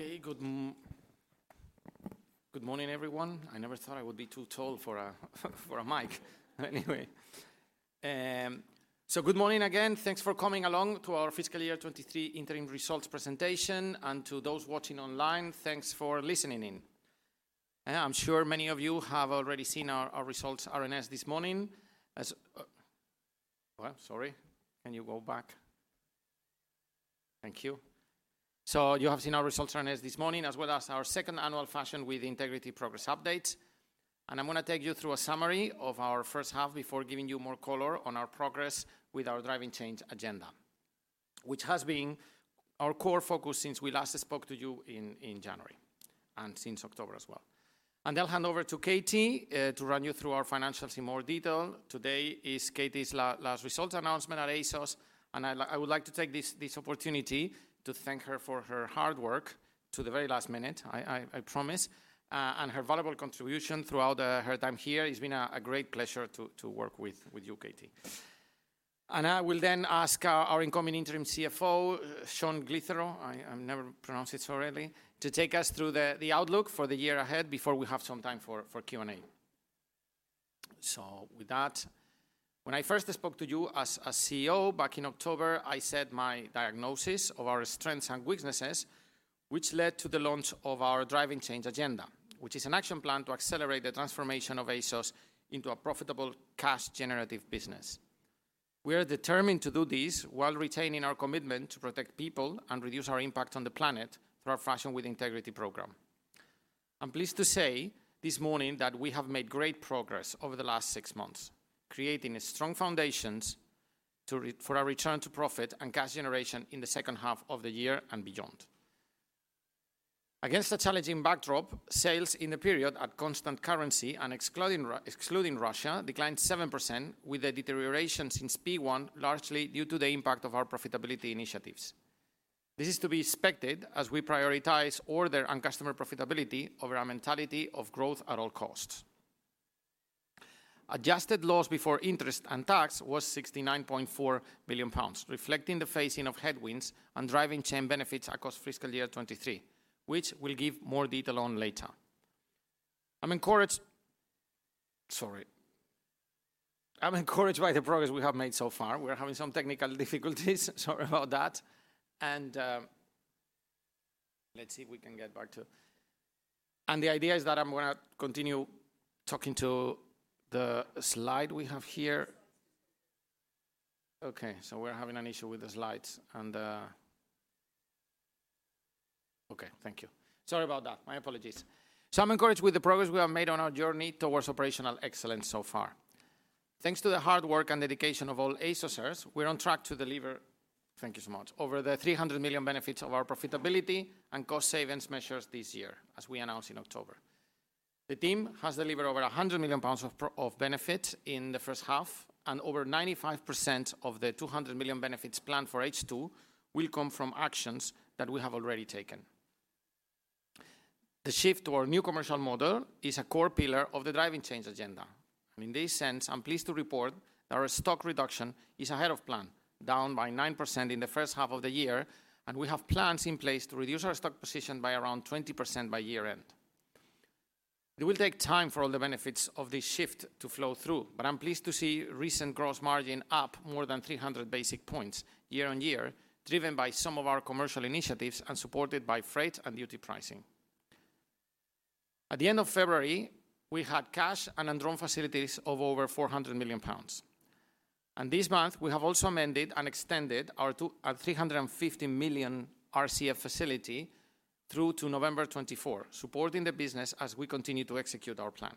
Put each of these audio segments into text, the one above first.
Okay, good morning, everyone. I never thought I would be too tall for a, for a mic. Anyway. Good morning again. Thanks for coming along to our FY23 interim results presentation. To those watching online, thanks for listening in. I'm sure many of you have already seen our results RNS this morning, as... Sorry, can you go back? Thank you. You have seen our results RNS this morning, as well as our second annual Fashion with Integrity progress update. I'm gonna take you through a summary of our first half before giving you more color on our progress with our Driving Change agenda, which has been our core focus since we last spoke to you in January, and since October as well. I'll hand over to Katy to run you through our financials in more detail. Today is Katy's last result announcement at ASOS, and I would like to take this opportunity to thank her for her hard work to the very last minute, I promise, and her valuable contribution throughout her time here. It's been a great pleasure to work with you, Katy. I will then ask our incoming interim CFO Sean Glithero, I've never pronounced it so really, to take us through the outlook for the year ahead before we have some time for Q&A. With that, when I first spoke to you as CEO back in October, I set my diagnosis of our strengths and weaknesses, which led to the launch of our Driving Change agenda, which is an action plan to accelerate the transformation of ASOS into a profitable cash generative business. We are determined to do this while retaining our commitment to protect people and reduce our impact on the planet through our Fashion with Integrity program. I'm pleased to say this morning that we have made great progress over the last six months, creating strong foundations for our return to profit and cash generation in the second half of the year and beyond. Against a challenging backdrop, sales in the period at constant currency and excluding Russia, declined 7% with a deterioration since P1, largely due to the impact of our profitability initiatives. This is to be expected as we prioritize order and customer profitability over our mentality of growth at all costs. Adjusted loss before interest and tax was 69.4 billion pounds, reflecting the facing of headwinds and Driving Change benefits across fiscal year 2023, which we'll give more detail on later. Sorry. I'm encouraged by the progress we have made so far. We are having some technical difficulties. Sorry about that. Let's see if we can get back to..... The idea is that I'm gonna continue talking to the, slide we have here. Okay, we're having an issue with the slides. Okay, thank you. Sorry about that. My apologies. I'm encouraged with the progress we have made on our journey towards operational excellence so far. Thanks to the hard work and dedication of all ASOSers, we're on track to deliver, thank you so much, over the 300 million benefits of our profitability and cost savings measures this year, as we announced in October. The team has delivered over 100 million pounds of benefit in the first half, and over 95% of the 200 million benefits planned for H2 will come from actions that we have already taken. The shift to our new commercial model is a core pillar of the Driving Change agenda. In this sense, I'm pleased to report that our stock reduction is ahead of plan, down by 9% in the first half of the year, and we have plans in place to reduce our stock position by around 20% by year end. It will take time for all the benefits of this shift to flow through. I'm pleased to see recent gross margin up more than 300 basis points year-on-year, driven by some of our commercial initiatives and supported by freight and duty pricing. At the end of February, we had cash and undrawn facilities of over 400 million pounds. This month, we have also amended and extended our 350 million RCF facility through to November 2024, supporting the business as we continue to execute our plan.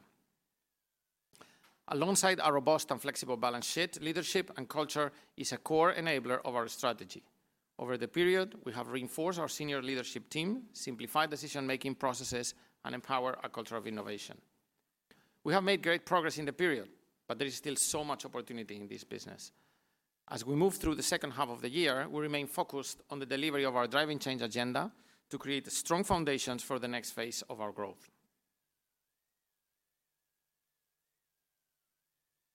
Alongside our robust and flexible balance sheet, leadership and culture is a core enabler of our strategy. Over the period, we have reinforced our senior leadership team, simplified decision-making processes, and empower a culture of innovation. We have made great progress in the period, there is still so much opportunity in this business. As we move through the second half of the year, we remain focused on the delivery of our Driving Change agenda to create strong foundations for the next phase of our growth.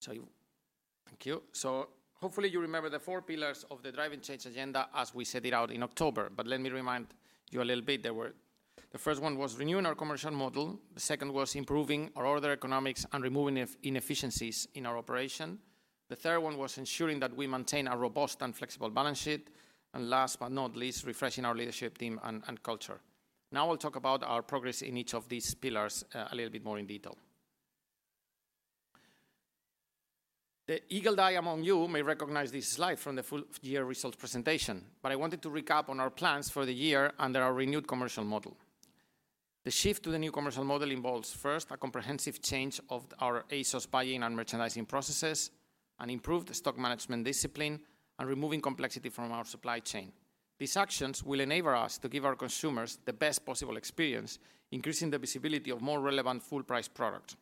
Sorry. Thank you. Hopefully, you remember the four pillars of the Driving Change agenda as we set it out in October, but let me remind you a little bit. They were. The first one was renewing our commercial model, the second was improving our order economics and removing inefficiencies in our operation. The third one was ensuring that we maintain a robust and flexible balance sheet. Last but not least, refreshing our leadership team and culture. I'll talk about our progress in each of these pillars a little bit more in detail. The eagle eye among you may recognize this slide from the full year results presentation. I wanted to recap on our plans for the year under our renewed commercial model. The shift to the new commercial model involves, first, a comprehensive change of our ASOS buying and merchandising processes, an improved stock management discipline, and removing complexity from our supply chain. These actions will enable us to give our consumers the best possible experience, increasing the visibility of more relevant full price product.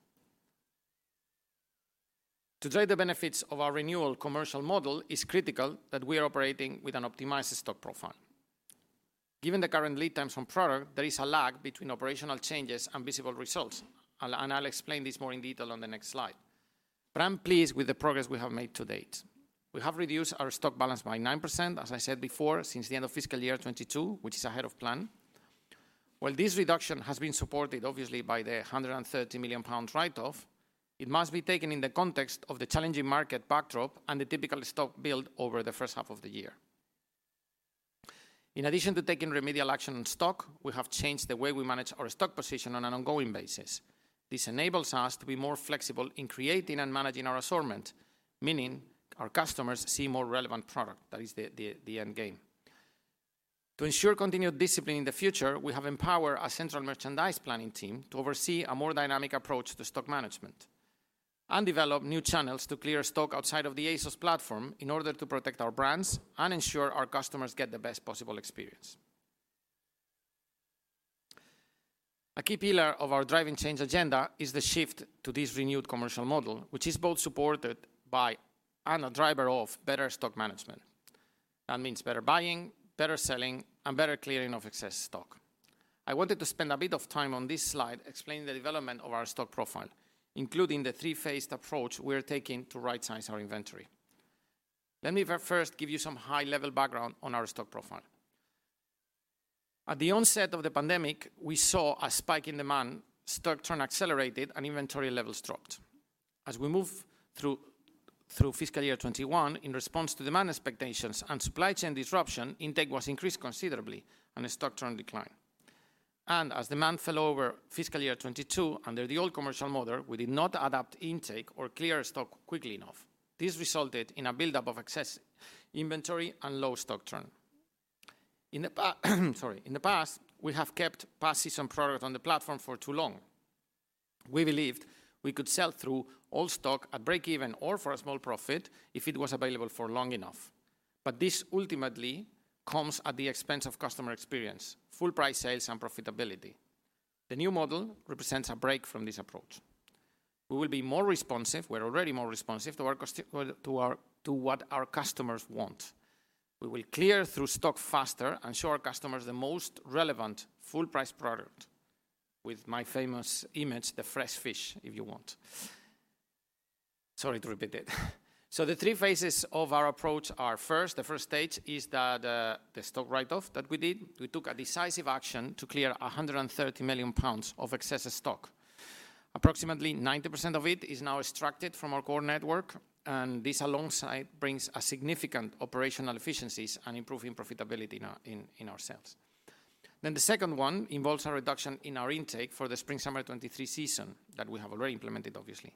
To drive the benefits of our renewal commercial model, it's critical that we are operating with an optimized stock profile. Given the current lead times on product, there is a lag between operational changes and visible results. I'll explain this more in detail on the next slide. I'm pleased with the progress we have made to date. We have reduced our stock balance by 9%, as I said before, since the end of FY22, which is ahead of plan. This reduction has been supported obviously by the 130 million pounds write-off, it must be taken in the context of the challenging market backdrop and the typical stock build over the H1. In addition to taking remedial action on stock, we have changed the way we manage our stock position on an ongoing basis. This enables us to be more flexible in creating and managing our assortment, meaning our customers see more relevant product. That is the end game. To ensure continued discipline in the future, we have empowered our central merchandise planning team to oversee a more dynamic approach to stock management and develop new channels to clear stock outside of the ASOS platform in order to protect our brands and ensure our customers get the best possible experience. A key pillar of our Driving Change agenda is the shift to this renewed commercial model, which is both supported by and a driver of better stock management. That means better buying, better selling, and better clearing of excess stock. I wanted to spend a bit of time on this slide explaining the development of our stock profile, including the three-phased approach we're taking to right size our inventory. Let me first give you some high-level background on our stock profile. At the onset of the pandemic, we saw a spike in demand, stock turn accelerated and inventory levels dropped. As we moved through fiscal year 2021 in response to demand expectations and supply chain disruption, intake was increased considerably and the stock turn declined. As demand fell over fiscal year 2022, under the old commercial model, we did not adapt intake or clear stock quickly enough. This resulted in a buildup of excess inventory and low stock turn. Sorry. In the past, we have kept past season product on the platform for too long. We believed we could sell through all stock at break even or for a small profit if it was available for long enough. This ultimately comes at the expense of customer experience, full price sales and profitability. The new model represents a break from this approach. We will be more responsive, we're already more responsive to what our customers want. We will clear through stock faster and show our customers the most relevant full price product. With my famous image, the fresh fish, if you want. Sorry to repeat it. The three phases of our approach are first, the first stage is the stock write-off that we did. We took a decisive action to clear 130 million pounds of excess stock. Approximately 90% of it is now extracted from our core network, and this alongside brings a significant operational efficiencies and improving profitability in our sales. The second one involves a reduction in our intake for the spring/summer 2023 season that we have already implemented, obviously.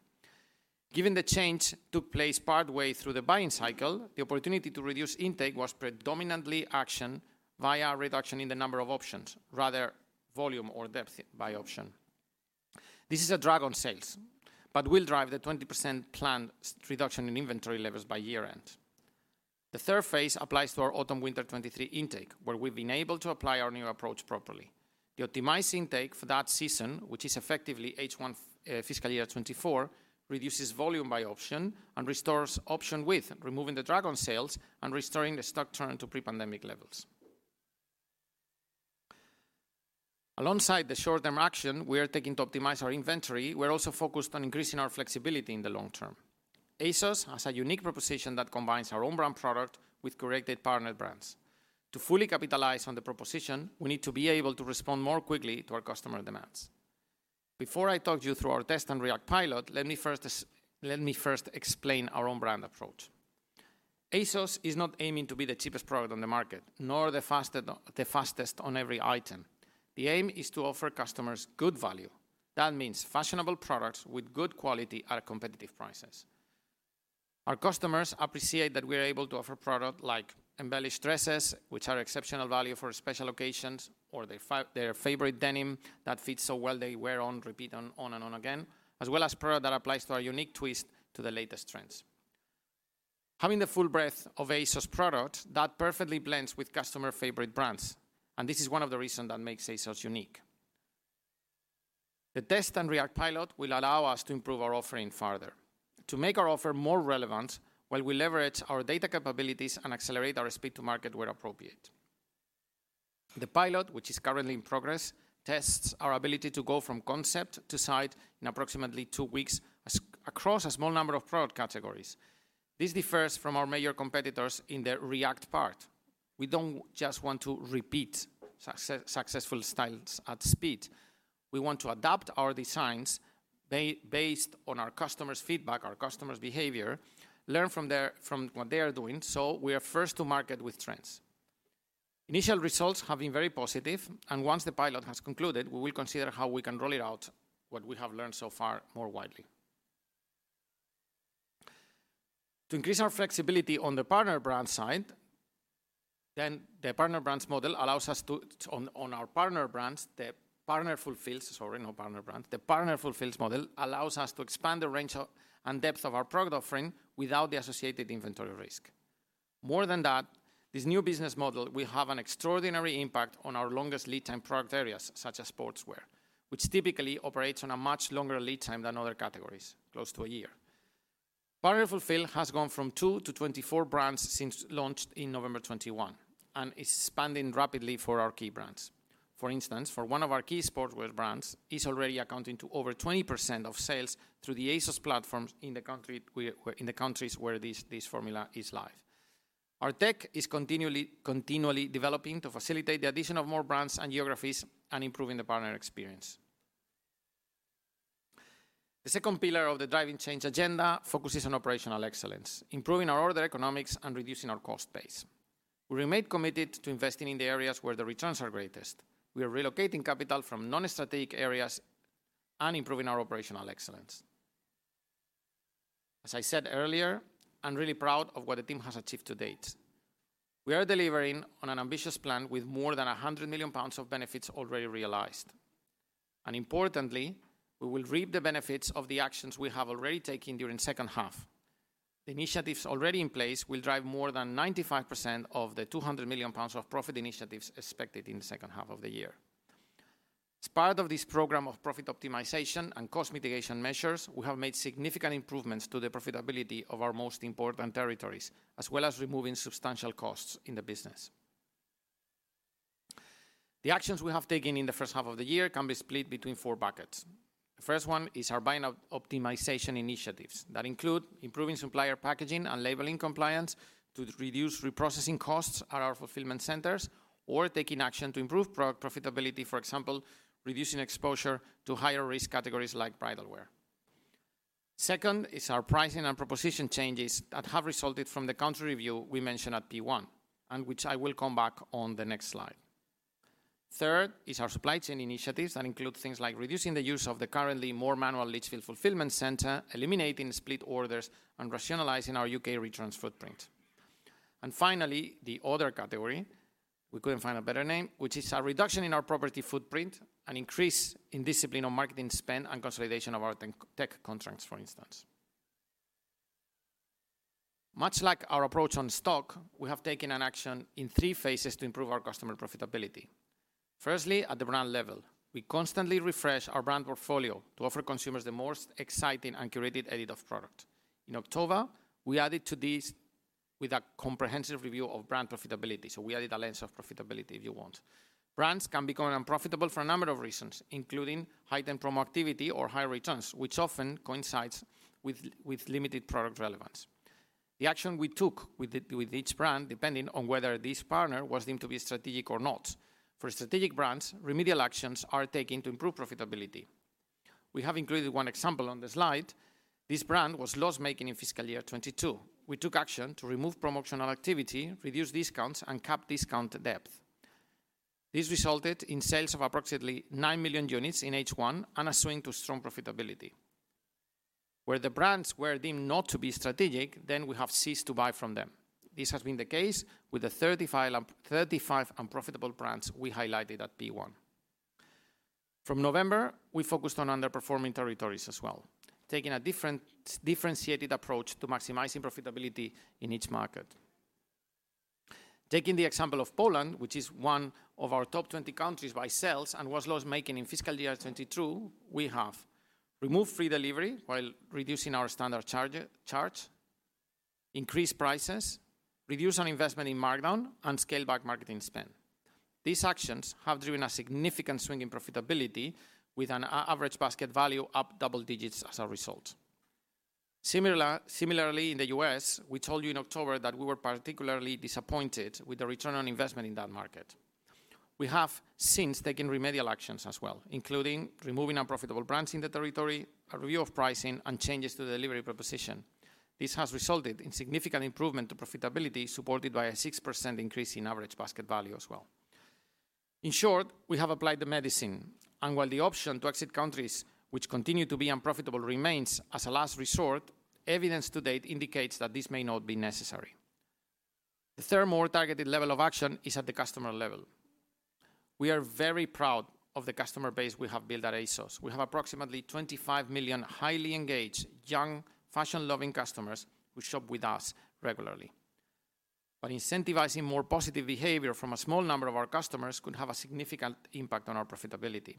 Given the change took place partway through the buying cycle, the opportunity to reduce intake was predominantly actioned via a reduction in the number of options rather volume or depth by option. This is a drag on sales, but will drive the 20% planned reduction in inventory levels by year end. The third phase applies to our autumn/winter 2023 intake, where we've been able to apply our new approach properly. The optimized intake for that season, which is effectively H1 fiscal year 2024, reduces volume by option and restores option width, removing the drag on sales and restoring the stock turn to pre-pandemic levels. Alongside the short-term action we are taking to optimize our inventory, we're also focused on increasing our flexibility in the long term. ASOS has a unique proposition that combines our own brand product with curated partner brands. To fully capitalize on the proposition, we need to be able to respond more quickly to our customer demands. Before I talk you through our test and react pilot, let me first explain our own brand approach. ASOS is not aiming to be the cheapest product on the market, nor the fastest on every item. The aim is to offer customers good value. That means fashionable products with good quality at competitive prices. Our customers appreciate that we are able to offer product like embellished dresses, which are exceptional value for special occasions, or their favorite denim that fits so well they wear on repeat and on and on again, as well as product that applies to our unique twist to the latest trends. Having the full breadth of ASOS product, that perfectly blends with customer favorite brands, and this is one of the reason that makes ASOS unique. The test and react pilot will allow us to improve our offering further. To make our offer more relevant, while we leverage our data capabilities and accelerate our speed to market where appropriate. The pilot, which is currently in progress, tests our ability to go from concept to site in approximately two weeks across a small number of product categories. This differs from our major competitors in the react part. We don't just want to repeat successful styles at speed. We want to adapt our designs based on our customers' feedback, our customers' behavior, learn from what they are doing. We are first to market with trends. Initial results have been very positive. Once the pilot has concluded, we will consider how we can roll it out, what we have learned so far, more widely. To increase our flexibility on the partner brand side, the partner brands model allows us to, on our partner brands, the Partner Fulfils. Sorry, not partner brands. The Partner Fulfils model allows us to expand the range of, and depth of our product offering without the associated inventory risk. More than that, this new business model will have an extraordinary impact on our longest lead time product areas, such as sportswear, which typically operates on a much longer lead time than other categories, close to a year. Partner Fulfils has gone from 2 to 24 brands since launch in November 2021, and is expanding rapidly for our key brands. For instance, for one of our key sportswear brands is already accounting to over 20% of sales through the ASOS platforms in the countries where this formula is live. Our tech is continually developing to facilitate the addition of more brands and geographies and improving the partner experience. The second pillar of the Driving Change agenda focuses on operational excellence, improving our order economics and reducing our cost base. We remain committed to investing in the areas where the returns are greatest. We are relocating capital from non-strategic areas and improving our operational excellence. As I said earlier, I'm really proud of what the team has achieved to date. We are delivering on an ambitious plan with more than 100 million pounds of benefits already realized. Importantly, we will reap the benefits of the actions we have already taken during second half. Initiatives already in place will drive more than 95% of the 200 million pounds of profit initiatives expected in the second half of the year. As part of this program of profit optimization and cost mitigation measures, we have made significant improvements to the profitability of our most important territories, as well as removing substantial costs in the business. The actions we have taken in the first half of the year can be split between four buckets. The first one is our buying optimization initiatives that include improving supplier packaging and labeling compliance to reduce reprocessing costs at our fulfillment centers, or taking action to improve profitability, for example, reducing exposure to higher risk categories like bridal wear. Second is our pricing and proposition changes that have resulted from the country review we mentioned at P1, and which I will come back on the next slide. Third is our supply chain initiatives that include things like reducing the use of the currently more manual Lichfield fulfillment center, eliminating split orders, and rationalizing our UK returns footprint. Finally, the other category, we couldn't find a better name, which is a reduction in our property footprint, an increase in discipline on marketing spend, and consolidation of our tech contracts, for instance. Much like our approach on stock, we have taken an action in three phases to improve our customer profitability. Firstly, at the brand level, we constantly refresh our brand portfolio to offer consumers the most exciting and curated edit of product. In October, we added to this with a comprehensive review of brand profitability, we added a lens of profitability, if you want. Brands can become unprofitable for a number of reasons, including heightened promotivity or high returns, which often coincides with limited product relevance. The action we took with each brand, depending on whether this partner was deemed to be strategic or not. For strategic brands, remedial actions are taken to improve profitability. We have included one example on the slide. This brand was loss-making in FY22. We took action to remove promotional activity, reduce discounts, and cap discount depth. This resulted in sales of approximately 9 million units in H1 and a swing to strong profitability. Where the brands were deemed not to be strategic, we have ceased to buy from them. This has been the case with the 35 unprofitable brands we highlighted at P1. From November, we focused on underperforming territories as well, taking a different... differentiated approach to maximizing profitability in each market. Taking the example of Poland, which is one of our top 20 countries by sales and was loss-making in FY22, we have removed free delivery while reducing our standard charge, increased prices, reduced on investment in markdown, and scaled back marketing spend. These actions have driven a significant swing in profitability with average basket value up double digits as a result. Similarly, in the U.S., we told you in October that we were particularly disappointed with the return on investment in that market. We have since taken remedial actions as well, including removing unprofitable brands in the territory, a review of pricing, and changes to the delivery proposition. This has resulted in significant improvement to profitability, supported by a 6% increase in average basket value as well. In short, we have applied the medicine. While the option to exit countries which continue to be unprofitable remains as a last resort, evidence to date indicates that this may not be necessary. The third, more targeted level of action is at the customer level. We are very proud of the customer base we have built at ASOS. We have approximately 25 million highly engaged, young, fashion-loving customers who shop with us regularly. Incentivizing more positive behavior from a small number of our customers could have a significant impact on our profitability.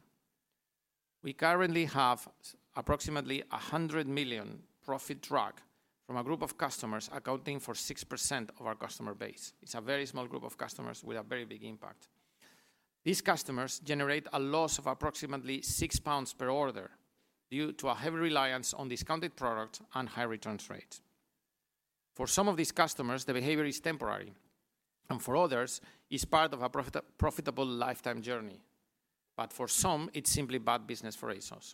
We currently have approximately 100 million profit drag from a group of customers accounting for 6% of our customer base. It's a very small group of customers with a very big impact. These customers generate a loss of approximately 6 pounds per order due to a heavy reliance on discounted product and high returns rate. For some of these customers, the behavior is temporary, for others, it's part of a profitable lifetime journey. For some, it's simply bad business for ASOS.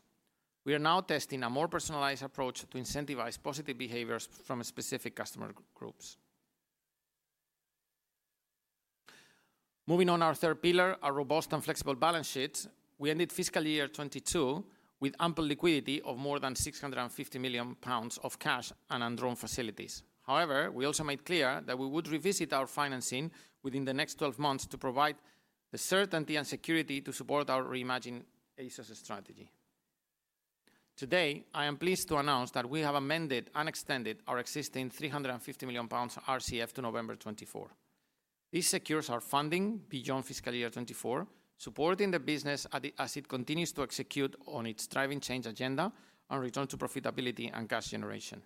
We are now testing a more personalized approach to incentivize positive behaviors from specific customer groups. Moving on our third pillar, a robust and flexible balance sheet. We ended fiscal year 2022 with ample liquidity of more than 650 million pounds of cash and undrawn facilities. However, we also made clear that we would revisit our financing within the next 12 months to provide the certainty and security to support our reimagine ASOS strategy. Today, I am pleased to announce that we have amended and extended our existing 350 million pounds RCF to November 2024. This secures our funding beyond fiscal year 2024, supporting the business as it continues to execute on its Driving Change agenda and return to profitability and cash generation.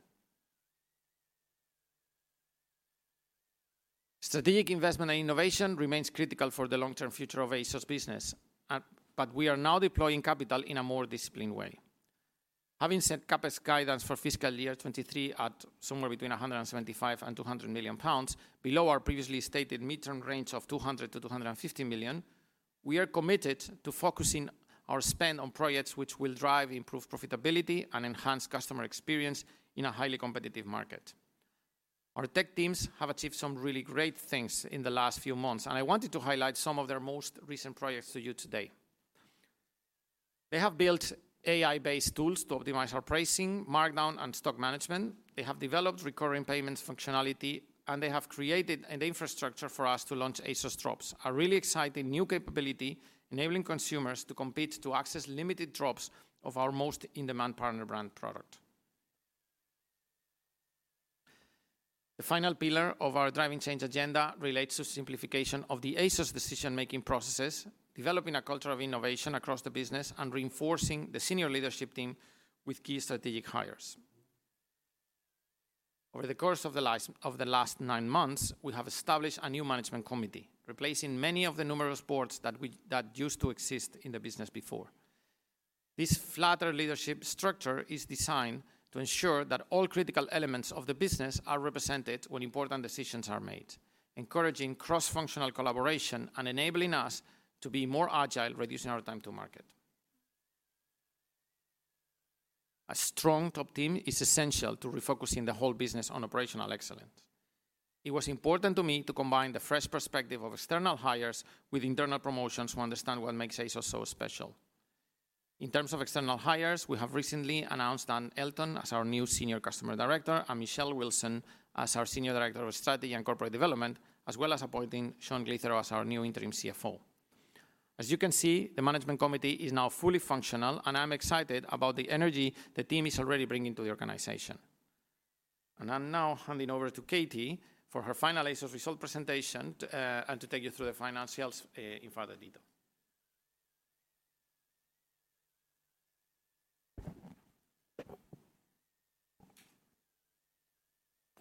Strategic investment and innovation remains critical for the long-term future of ASOS business, but we are now deploying capital in a more disciplined way. Having set capex guidance for fiscal year 2023 at somewhere between 175 million and 200 million pounds, below our previously stated midterm range of 200 million-250 million, we are committed to focusing our spend on projects which will drive improved profitability and enhance customer experience in a highly competitive market. Our tech teams have achieved some really great things in the last few months. I wanted to highlight some of their most recent projects to you today. They have built AI-based tools to optimize our pricing, markdown, and stock management. They have developed recurring payments functionality. They have created an infrastructure for us to launch ASOS Drops, a really exciting new capability enabling consumers to compete to access limited drops of our most in-demand partner brand product. The final pillar of our Driving Change agenda relates to simplification of the ASOS decision-making processes, developing a culture of innovation across the business, and reinforcing the senior leadership team with key strategic hires. Over the course of the last, of the last nine months, we have established a new management committee, replacing many of the numerous boards that used to exist in the business before. This flatter leadership structure is designed to ensure that all critical elements of the business are represented when important decisions are made, encouraging cross-functional collaboration and enabling us to be more agile, reducing our time to market. A strong top team is essential to refocusing the whole business on operational excellence. It was important to me to combine the fresh perspective of external hires with internal promotions to understand what makes ASOS so special. In terms of external hires, we have recently announced Dan Elton as our new Senior Customer Director and Michelle Wilson as our Senior Director of Strategy and Corporate Development, as well as appointing Sean Glithero as our new Interim CFO. You can see, the management committee is now fully functional, and I'm excited about the energy the team is already bringing to the organization. I'm now handing over to Katy for her final ASOS result presentation to, and to take you through the financials, in further detail.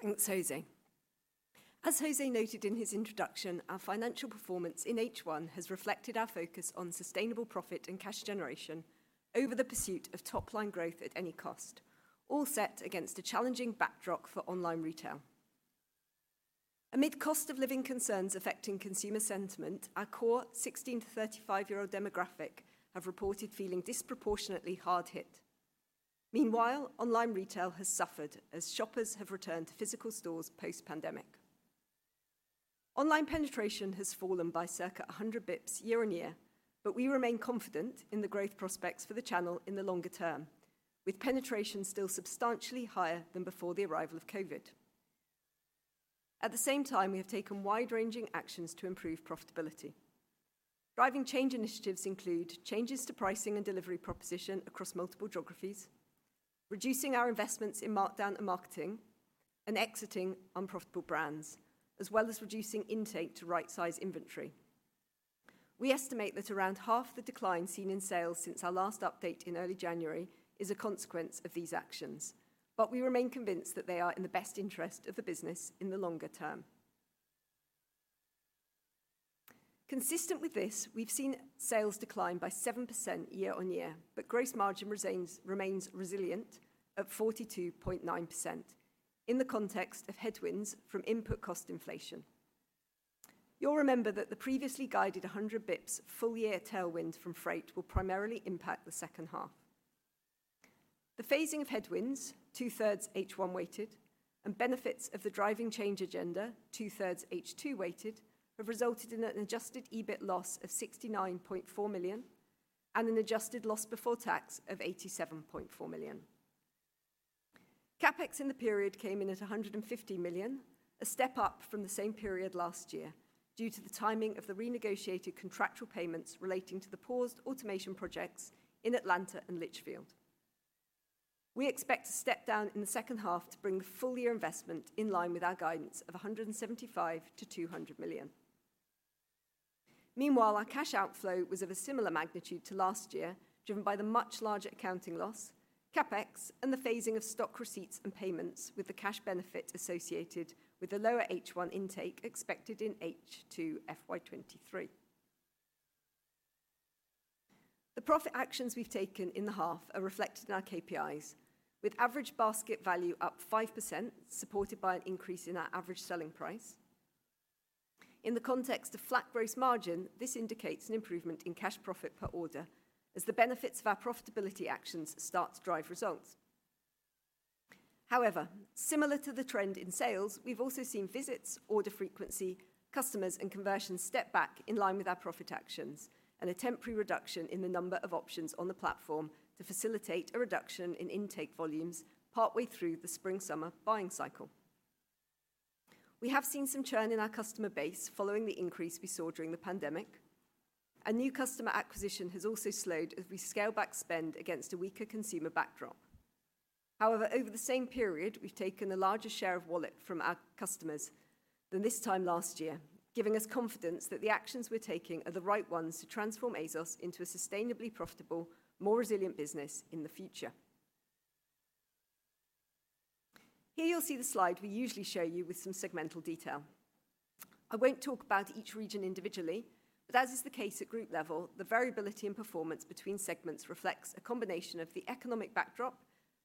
Thanks, José. As José noted in his introduction, our financial performance in H1 has reflected our focus on sustainable profit and cash generation over the pursuit of top-line growth at any cost, all set against a challenging backdrop for online retail. Amid cost of living concerns affecting consumer sentiment, our core 16 to 35-year-old demographic have reported feeling disproportionately hard hit. Online retail has suffered as shoppers have returned to physical stores post-pandemic. Online penetration has fallen by circa 100 bps year-on-year, we remain confident in the growth prospects for the channel in the longer term, with penetration still substantially higher than before the arrival of COVID. We have taken wide-ranging actions to improve profitability. Driving Change initiatives include changes to pricing and delivery proposition across multiple geographies, reducing our investments in markdown and marketing, and exiting unprofitable brands, as well as reducing intake to right-size inventory. We estimate that around half the decline seen in sales since our last update in early January is a consequence of these actions, but we remain convinced that they are in the best interest of the business in the longer term. Consistent with this, we've seen sales decline by 7% year-on-year, but gross margin remains resilient at 42.9% in the context of headwinds from input cost inflation. You'll remember that the previously guided 100 basis points full-year tailwind from freight will primarily impact the second half. The phasing of headwinds, two-thirds H1 weighted, and benefits of the Driving Change agenda, two-thirds H2 weighted, have resulted in an adjusted EBIT loss of 69.4 million and an adjusted loss before tax of 87.4 million. CapEx in the period came in at 150 million, a step up from the same period last year due to the timing of the renegotiated contractual payments relating to the paused automation projects in Atlanta and Litchfield. We expect a step down in the second half to bring the full-year investment in line with our guidance of 175 million-200 million. Meanwhile, our cash outflow was of a similar magnitude to last year, driven by the much larger accounting loss, CapEx, and the phasing of stock receipts and payments with the cash benefit associated with the lower H1 intake expected in H2 FY23. The profit actions we've taken in the half are reflected in our KPIs, with average basket value up 5%, supported by an increase in our average selling price. In the context of flat gross margin, this indicates an improvement in cash profit per order as the benefits of our profitability actions start to drive results. Similar to the trend in sales, we've also seen visits, order frequency, customers, and conversions step back in line with our profit actions and a temporary reduction in the number of options on the platform to facilitate a reduction in intake volumes partway through the spring/summer buying cycle. We have seen some churn in our customer base following the increase we saw during the pandemic. New customer acquisition has also slowed as we scale back spend against a weaker consumer backdrop. However, over the same period, we've taken a larger share of wallet from our customers than this time last year, giving us confidence that the actions we're taking are the right ones to transform ASOS into a sustainably profitable, more resilient business in the future. Here, you'll see the slide we usually show you with some segmental detail. I won't talk about each region individually. As is the case at group level, the variability in performance between segments reflects a combination of the economic backdrop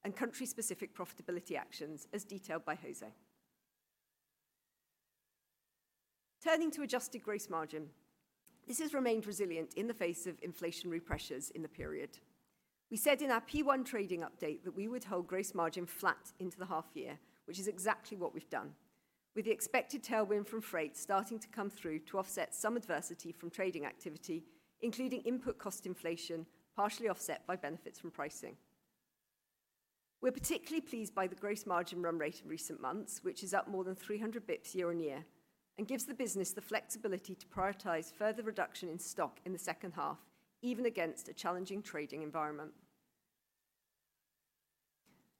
and country-specific profitability actions as detailed by Jose. Turning to adjusted gross margin, this has remained resilient in the face of inflationary pressures in the period. We said in our P1 trading update that we would hold gross margin flat into the half year, which is exactly what we've done, with the expected tailwind from freight starting to come through to offset some adversity from trading activity, including input cost inflation, partially offset by benefits from pricing. We're particularly pleased by the gross margin run rate in recent months, which is up more than 300 bps year-on-year and gives the business the flexibility to prioritize further reduction in stock in the second half, even against a challenging trading environment.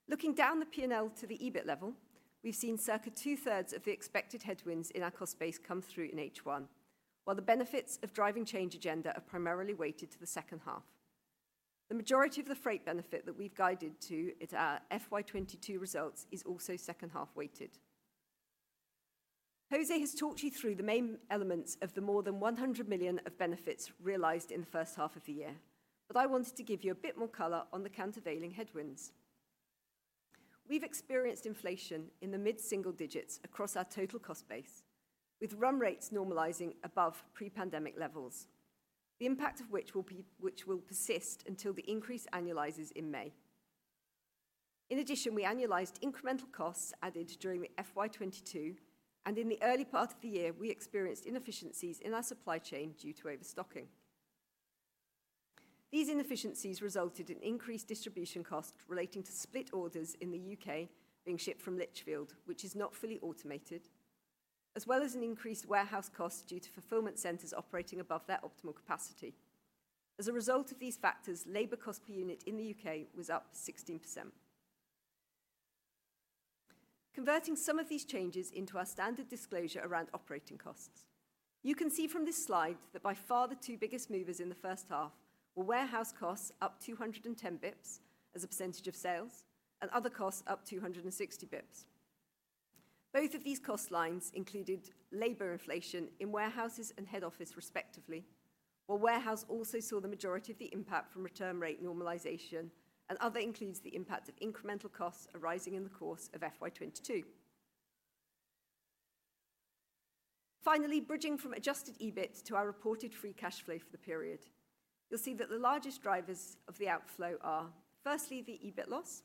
Looking down the P&L to the EBIT level, we've seen circa two-thirds of the expected headwinds in our cost base come through in H1, while the benefits of Driving Change agenda are primarily weighted to the second half. The majority of the freight benefit that we've guided to at our FY22 results is also second half weighted. José has talked you through the main elements of the more than 100 million of benefits realized in the first half of the year. I wanted to give you a bit more color on the countervailing headwinds. We've experienced inflation in the mid-single digits across our total cost base, with run rates normalizing above pre-pandemic levels, the impact of which will persist until the increase annualizes in May. In addition, we annualized incremental costs added during the FY22. In the early part of the year, we experienced inefficiencies in our supply chain due to overstocking. These inefficiencies resulted in increased distribution costs relating to split orders in the U.K. being shipped from Lichfield, which is not fully automated, as well as an increased warehouse cost due to fulfillment centers operating above their optimal capacity. As a result of these factors, labor cost per unit in the U.K. was up 16%. Converting some of these changes into our standard disclosure around operating costs, you can see from this slide that by far the two biggest movers in the first half were warehouse costs up 210 bips as a percentage of sales and other costs up 260 bips. Both of these cost lines included labor inflation in warehouses and head office respectively, while warehouse also saw the majority of the impact from return rate normalization, and other includes the impact of incremental costs arising in the course of FY22. Finally, bridging from adjusted EBIT to our reported free cash flow for the period, you'll see that the largest drivers of the outflow are, firstly, the EBIT loss,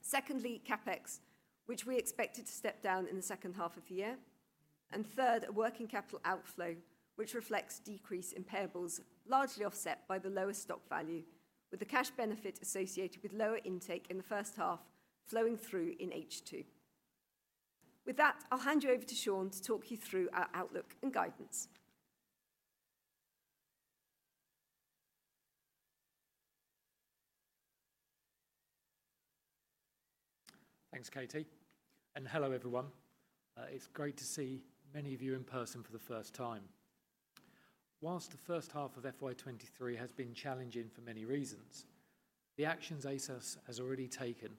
secondly, CapEx, which we expected to step down in the second half of the year, and third, a working capital outflow which reflects decrease in payables, largely offset by the lower stock value, with the cash benefit associated with lower intake in the first half flowing through in H2. With that, I'll hand you over to Sean to talk you through our outlook and guidance. Thanks, Katy, and hello, everyone. It's great to see many of you in person for the first time. Whilst the first half of FY23 has been challenging for many reasons, the actions ASOS has already taken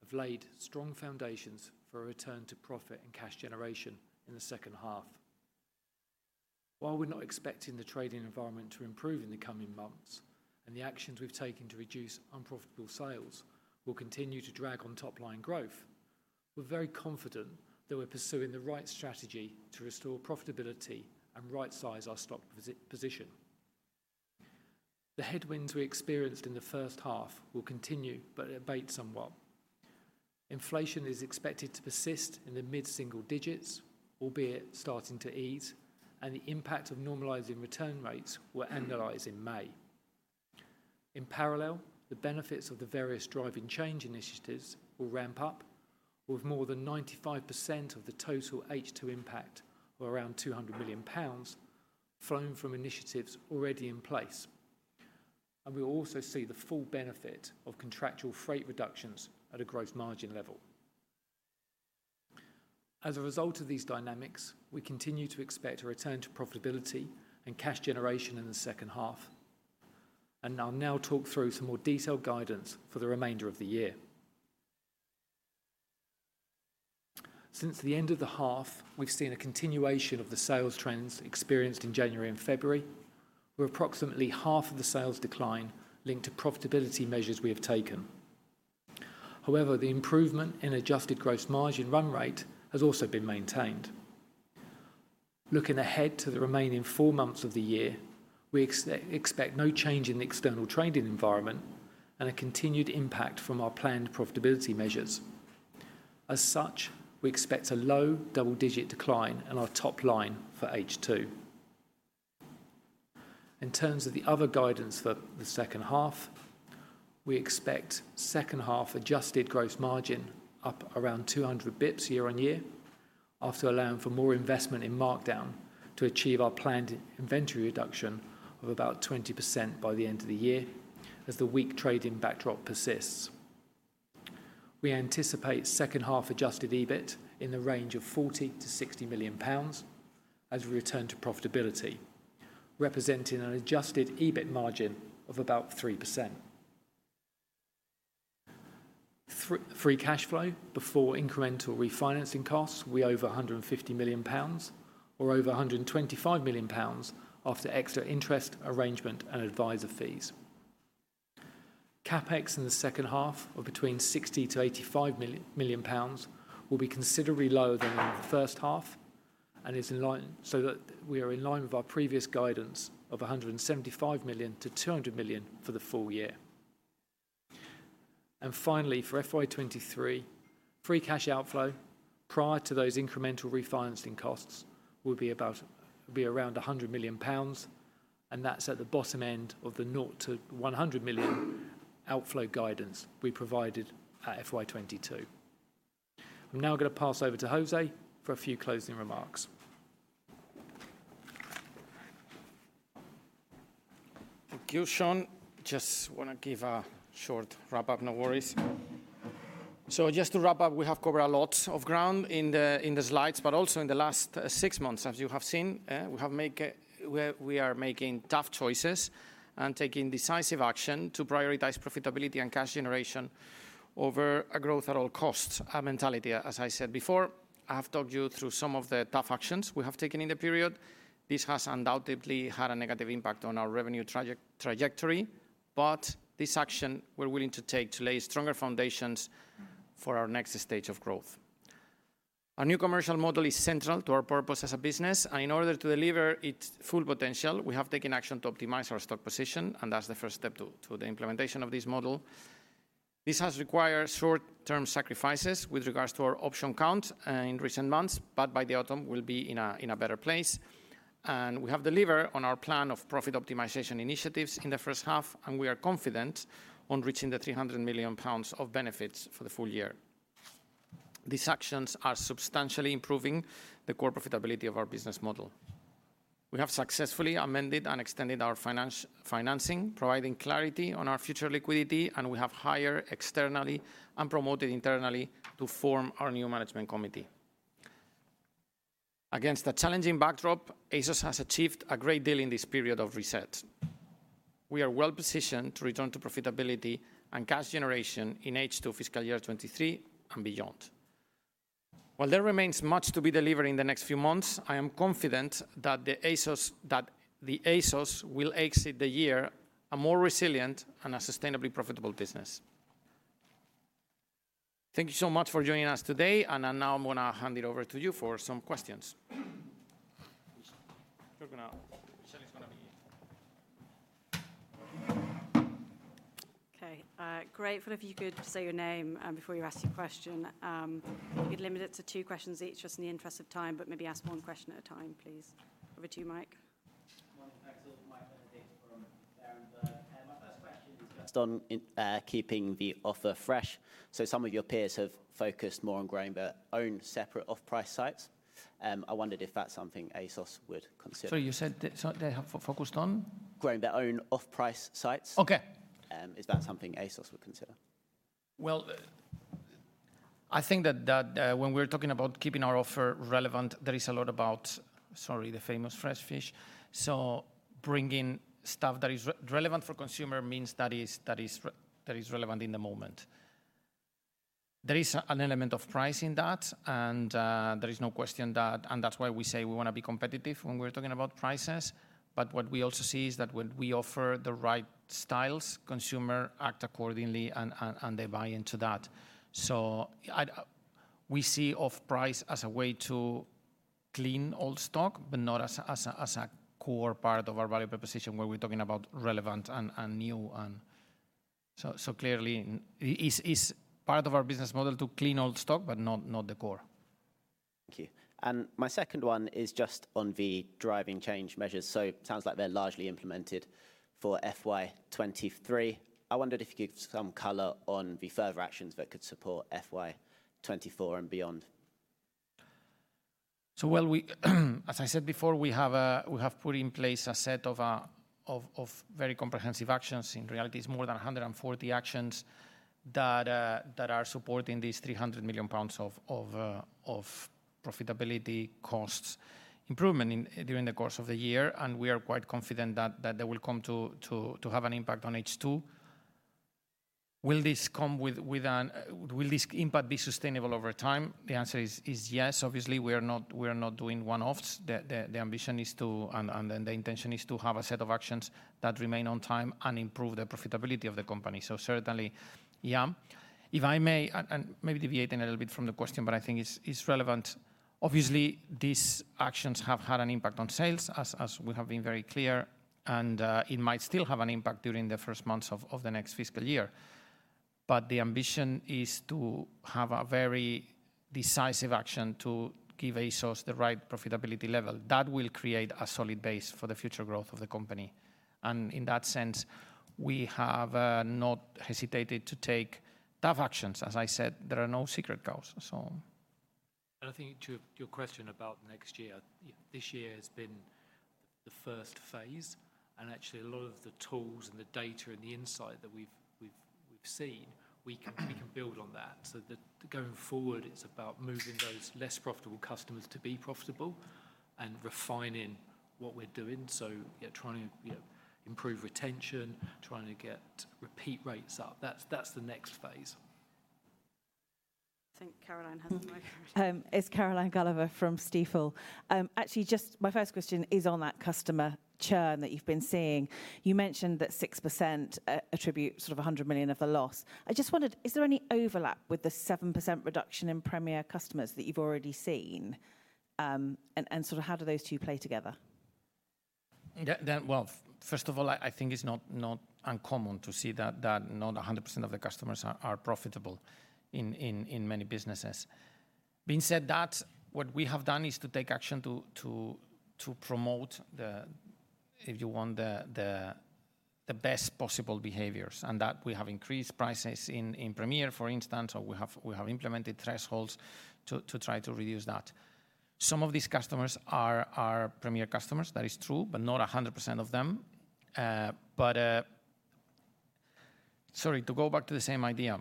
have laid strong foundations for a return to profit and cash generation in the second half. While we're not expecting the trading environment to improve in the coming months, and the actions we've taken to reduce unprofitable sales will continue to drag on top line growth, we're very confident that we're pursuing the right strategy to restore profitability and rightsize our stock position. The headwinds we experienced in the first half will continue but abate somewhat. Inflation is expected to persist in the mid-single digits, albeit starting to ease, and the impact of normalizing return rates will annualize in May. In parallel, the benefits of the various Driving Change initiatives will ramp up, with more than 95% of the total H2 impact, or around 200 million pounds, flowing from initiatives already in place. We will also see the full benefit of contractual freight reductions at a gross margin level. As a result of these dynamics, we continue to expect a return to profitability and cash generation in the second half. I'll now talk through some more detailed guidance for the remainder of the year. Since the end of the half, we've seen a continuation of the sales trends experienced in January and February, with approximately half of the sales decline linked to profitability measures we have taken. However, the improvement in adjusted gross margin run rate has also been maintained. Looking ahead to the remaining four months of the year, we expect no change in the external trading environment and a continued impact from our planned profitability measures. As such, we expect a low double-digit decline in our top line for H2. In terms of the other guidance for the second half, we expect second half adjusted gross margin up around 200 basis points year on year. After allowing for more investment in markdown to achieve our planned inventory reduction of about 20% by the end of the year, as the weak trading backdrop persists. We anticipate second half adjusted EBIT in the range of 40 million-60 million pounds as we return to profitability, representing an adjusted EBIT margin of about 3%. Free cash flow before incremental refinancing costs will be over 150 million pounds or over 125 million pounds after extra interest arrangement and advisor fees. capex in the second half of between 60 million-85 million pounds will be considerably lower than in the first half, is in line. That we are in line with our previous guidance of 175 million-200 million for the full year. Finally, for FY23, free cash outflow prior to those incremental refinancing costs will be around 100 million pounds, That's at the bottom end of the 0-GBP 100 million outflow guidance we provided at FY22. I'm now gonna pass over to José for a few closing remarks. Thank you, Sean. Just wanna give a short wrap-up. No worries. Just to wrap up, we have covered a lot of ground in the slides, but also in the last six months, as you have seen, we have make, we are making tough choices and taking decisive action to prioritize profitability and cash generation over a growth at all costs mentality, as I said before. I have talked you through some of the tough actions we have taken in the period. This has undoubtedly had a negative impact on our revenue trajectory, but this action we're willing to take to lay stronger foundations for our next stage of growth. Our new commercial model is central to our purpose as a business. In order to deliver its full potential, we have taken action to optimize our stock position, and that's the first step to the implementation of this model. This has required short-term sacrifices with regards to our option count in recent months, but by the autumn, we'll be in a better place. We have delivered on our plan of profit optimization initiatives in the first half, and we are confident on reaching the 300 million pounds of benefits for the full year. These actions are substantially improving the core profitability of our business model. We have successfully amended and extended our financing, providing clarity on our future liquidity, and we have hired externally and promoted internally to form our new management committee. Against a challenging backdrop, ASOS has achieved a great deal in this period of reset. We are well positioned to return to profitability and cash generation in H2 FY23 and beyond. While there remains much to be delivered in the next few months, I am confident that the ASOS will exit the year a more resilient and a sustainably profitable business. Thank you so much for joining us today. Now I'm gonna hand it over to you for some questions. Michelle is gonna. Okay. Great. If you could say your name before you ask your question. If you could limit it to 2 questions each, just in the interest of time, but maybe ask 1 question at a time, please. Over to you, Mike. Morning, thanks all. Michael Benedict from Berenberg. My first question is just on keeping the offer fresh. Some of your peers have focused more on growing their own separate off-price sites. I wondered if that's something ASOS would consider? Sorry, you said so they have focused on? Growing their own off-price sites. Okay. Is that something ASOS would consider? Well, I think that, when we're talking about keeping our offer relevant, there is a lot about, sorry, the famous fresh fish. Bringing stuff that is relevant for consumer means that is, that is relevant in the moment. There is an element of price in that, and, there is no question that, and that's why we say we wanna be competitive when we're talking about prices. What we also see is that when we offer the right styles, consumer act accordingly and they buy into that. I, we see off-price as a way to clean old stock, but not as a core part of our value proposition where we're talking about relevant and new and... Clearly it's part of our business model to clean old stock, but not the core. Thank you. My second one is just on the Driving Change measures. Sounds like they're largely implemented for FY23. I wondered if you could give some color on the further actions that could support FY24 and beyond. Well, we, as I said before, we have put in place a set of very comprehensive actions. In reality, it's more than 140 actions that are supporting these 300 million pounds of profitability costs improvement during the course of the year. We are quite confident that they will come to have an impact on H2. Will this impact be sustainable over time? The answer is yes. Obviously, we are not doing one-offs. The ambition is to, and the intention is to have a set of actions that remain on time and improve the profitability of the company. Certainly, yeah. If I may, and maybe deviating a little bit from the question, I think it's relevant. Obviously, these actions have had an impact on sales, as we have been very clear, and it might still have an impact during the first months of the next fiscal year. The ambition is to have a very decisive action to give ASOS the right profitability level. That will create a solid base for the future growth of the company. In that sense, we have not hesitated to take tough actions. As I said, there are no secret goals. I think to your question about next year, this year has been the first phase, actually a lot of the tools and the data and the insight that we've seen, we can build on that. That going forward, it's about moving those less profitable customers to be profitable and refining what we're doing. Yeah, trying to, you know, improve retention, trying to get repeat rates up. That's the next phase. I think Caroline has the microphone. It's Caroline Gulliver from Stifel. Actually, just my first question is on that customer churn that you've been seeing. You mentioned that 6%, attribute sort of 100 million of the loss. I just wondered, is there any overlap with the 7% reduction in Premier customers that you've already seen, and sort of how do those two play together? Yeah. That. Well, first of all, I think it's not uncommon to see that not 100% of the customers are profitable in many businesses. Being said that, what we have done is to take action to promote the, if you want, the best possible behaviors, and that we have increased prices in Premier, for instance, or we have implemented thresholds to try to reduce that. Some of these customers are Premier customers. That is true, but not 100% of them. Sorry, to go back to the same idea.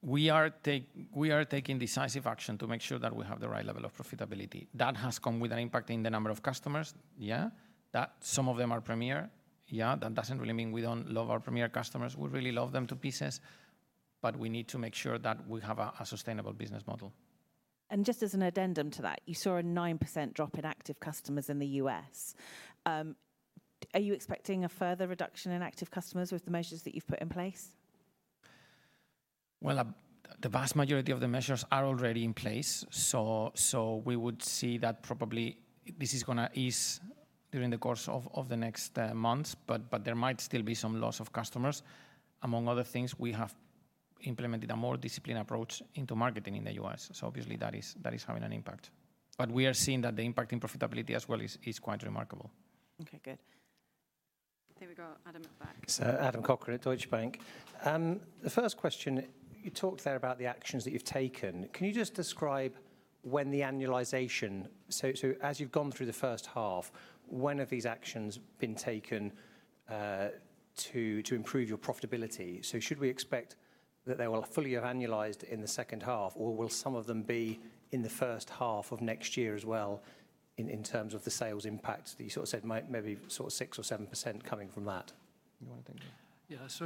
We are taking decisive action to make sure that we have the right level of profitability. That has come with an impact in the number of customers, yeah. That some of them are Premier, yeah. That doesn't really mean we don't love our Premier customers. We really love them to pieces. We need to make sure that we have a sustainable business model. Just as an addendum to that, you saw a 9% drop in active customers in the U.S. Are you expecting a further reduction in active customers with the measures that you've put in place? The vast majority of the measures are already in place, we would see that probably this is gonna ease during the course of the next months, there might still be some loss of customers. Among other things, we have implemented a more disciplined approach into marketing in the U.S., obviously that is having an impact. We are seeing that the impact in profitability as well is quite remarkable. Okay, good. There we go. Adam at the back. It's Adam Cochrane at Deutsche Bank. The first question, you talked there about the actions that you've taken. As you've gone through the first half, when have these actions been taken to improve your profitability? Should we expect that they will fully have annualized in the second half, or will some of them be in the first half of next year as well in terms of the sales impact that you sort of said might maybe sort of 6% or 7% coming from that? You wanna take that? Yeah. It's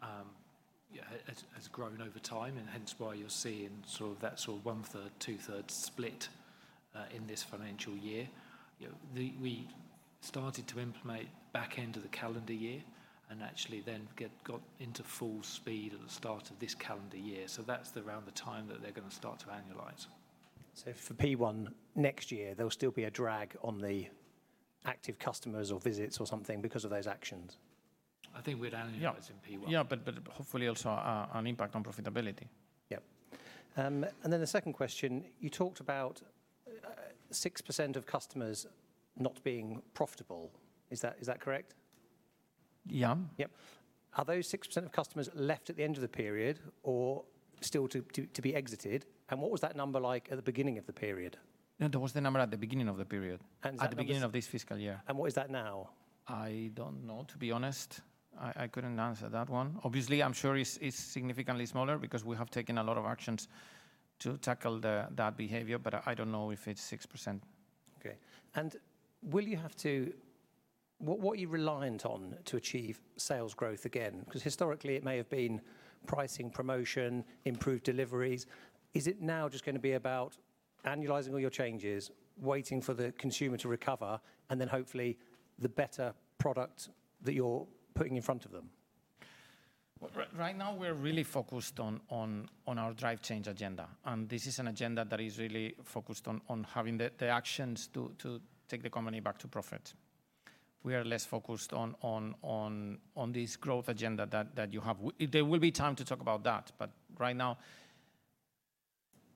the program has grown over time, hence why you're seeing sort of that sort of 1/3, 2/3 split in this financial year. You know, we started to implement back end of the calendar year and actually then get, got into full speed at the start of this calendar year. That's around the time that they're gonna start to annualize. For P1 next year, there'll still be a drag on the active customers or visits or something because of those actions. I think we'd annualize in P1. Yeah. Yeah, hopefully also an impact on profitability. Yep. The second question, you talked about 6% of customers not being profitable. Is that correct? Yeah. Yep. Are those 6% of customers left at the end of the period or still to be exited? What was that number like at the beginning of the period? No, that was the number at the beginning of the period. Is that? At the beginning of this fiscal year. What is that now? I don't know, to be honest. I couldn't answer that one. Obviously, I'm sure it's significantly smaller because we have taken a lot of actions to tackle that behavior, but I don't know if it's 6%. Okay. Will you have to What are you reliant on to achieve sales growth again? Historically it may have been pricing, promotion, improved deliveries. Is it now just gonna be about annualizing all your changes, waiting for the consumer to recover, and then hopefully the better product that you're putting in front of them? Well, right now we're really focused on our Driving Change agenda. This is an agenda that is really focused on having the actions to take the company back to profit. We are less focused on this growth agenda that you have. There will be time to talk about that, but right now.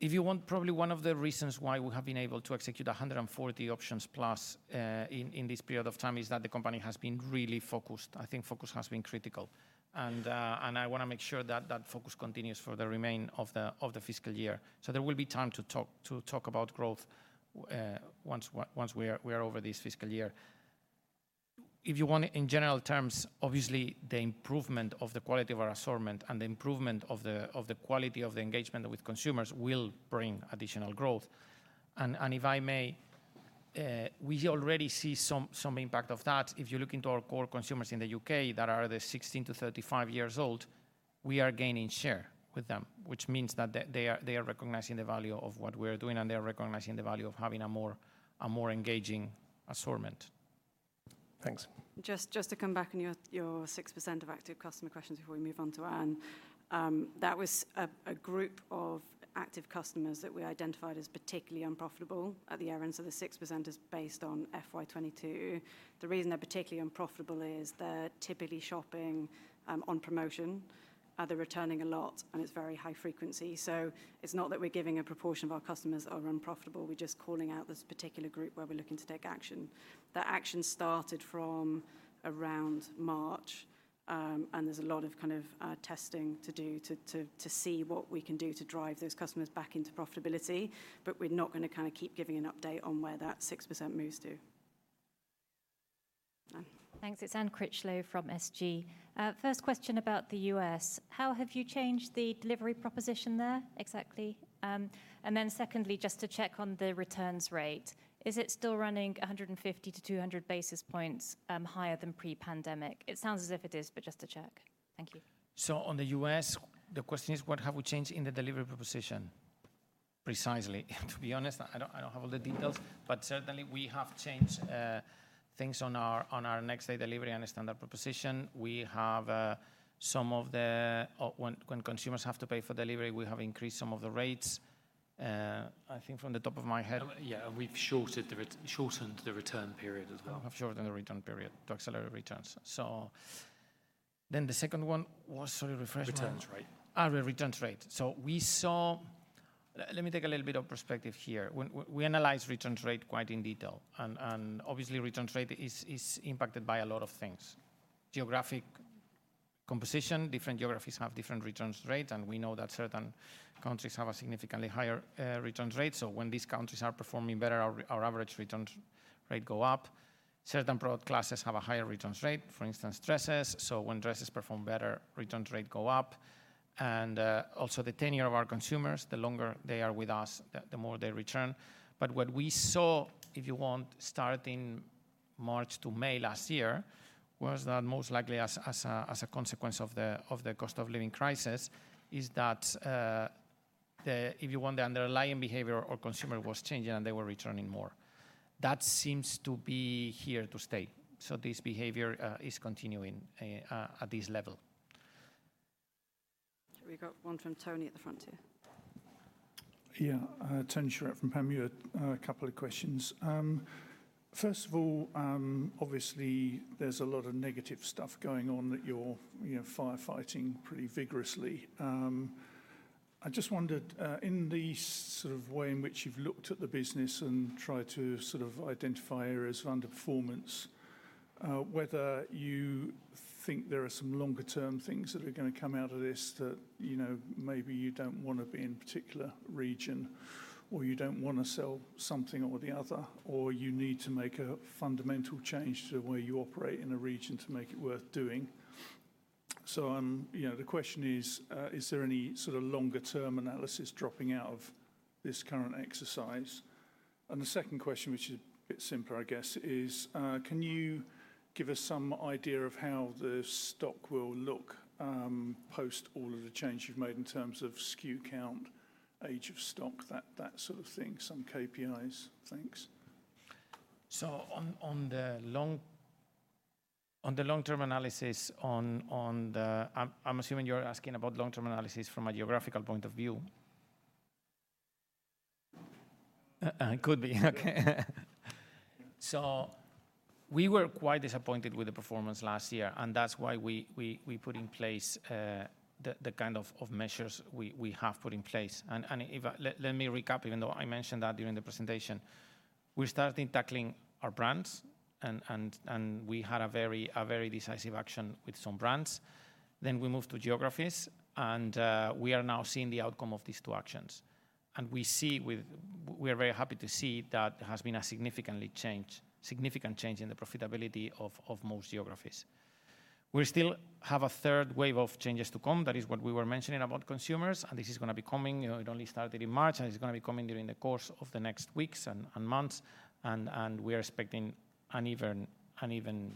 If you want, probably one of the reasons why we have been able to execute 140 options plus in this period of time is that the company has been really focused. I think focus has been critical. I wanna make sure that that focus continues for the remain of the fiscal year. There will be time to talk about growth once we are over this fiscal year. If you want, in general terms, obviously the improvement of the quality of our assortment and the improvement of the quality of the engagement with consumers will bring additional growth. If I may, we already see some impact of that. If you look into our core consumers in the UK that are the 16 to 35 years old, we are gaining share with them, which means that they are recognizing the value of what we are doing, and they are recognizing the value of having a more engaging assortment. Thanks. Just to come back on your 6% of active customer questions before we move on to Anne. That was a group of active customers that we identified as particularly unprofitable at the year end, so the 6% is based on FY22. The reason they're particularly unprofitable is they're typically shopping on promotion, they're returning a lot, and it's very high frequency. It's not that we're giving a proportion of our customers are unprofitable. We're just calling out this particular group where we're looking to take action. That action started from around March, and there's a lot of kind of testing to do to see what we can do to drive those customers back into profitability, but we're not gonna kind of keep giving an update on where that 6% moves to. Thanks. It's Anne Critchlow from SG. First question about the US. How have you changed the delivery proposition there exactly? Secondly, just to check on the returns rate. Is it still running 150-200 basis points higher than pre-pandemic? It sounds as if it is, but just to check. Thank you. On the U.S., the question is, what have we changed in the delivery proposition precisely? To be honest, I don't have all the details, certainly we have changed things on our next day delivery and the standard proposition. We have some of the, when consumers have to pay for delivery, we have increased some of the rates. I think from the top of my head. Yeah, we've shorted the shortened the return period as well. Have shortened the return period to accelerate returns. The second one was, sorry. Returns rate. The returns rate. Let me take a little bit of perspective here. When we analyze returns rate quite in detail, and obviously returns rate is impacted by a lot of things. Geographic composition, different geographies have different returns rate, and we know that certain countries have a significantly higher returns rate. When these countries are performing better, our average returns rate go up. Certain product classes have a higher returns rate. For instance, dresses. When dresses perform better, returns rate go up. Also the tenure of our consumers, the longer they are with us, the more they return. What we saw, if you want, starting March to May last year, was that most likely as a consequence of the cost of living crisis, is that, if you want, the underlying behavior of consumer was changing, and they were returning more. That seems to be here to stay. This behavior is continuing at this level. We got one from Tony at the front here. Tony Shiret from Panmure. A couple of questions. First of all, obviously there's a lot of negative stuff going on that you're, you know, firefighting pretty vigorously. I just wondered, in the sort of way in which you've looked at the business and tried to sort of identify areas of underperformance, whether you think there are some longer term things that are gonna come out of this that, you know, maybe you don't wanna be in a particular region, or you don't wanna sell something or the other, or you need to make a fundamental change to the way you operate in a region to make it worth doing. The question is there any sort of longer term analysis dropping out of this current exercise? The second question, which is a bit simpler, I guess, is, can you give us some idea of how the stock will look, post all of the change you've made in terms of SKU count, age of stock, that sort of thing, some KPIs. Thanks. On the long-term analysis. I'm assuming you're asking about long-term analysis from a geographical point of view. Could be. Okay. We were quite disappointed with the performance last year, and that's why we put in place the kind of measures we have put in place. If let me recap, even though I mentioned that during the presentation. We started tackling our brands and we had a very decisive action with some brands. We moved to geographies, and we are now seeing the outcome of these two actions. We are very happy to see that there has been a significant change in the profitability of most geographies. We still have a third wave of changes to come. That is what we were mentioning about consumers. This is gonna be coming. You know, it only started in March, and it's gonna be coming during the course of the next weeks and months, and we are expecting an even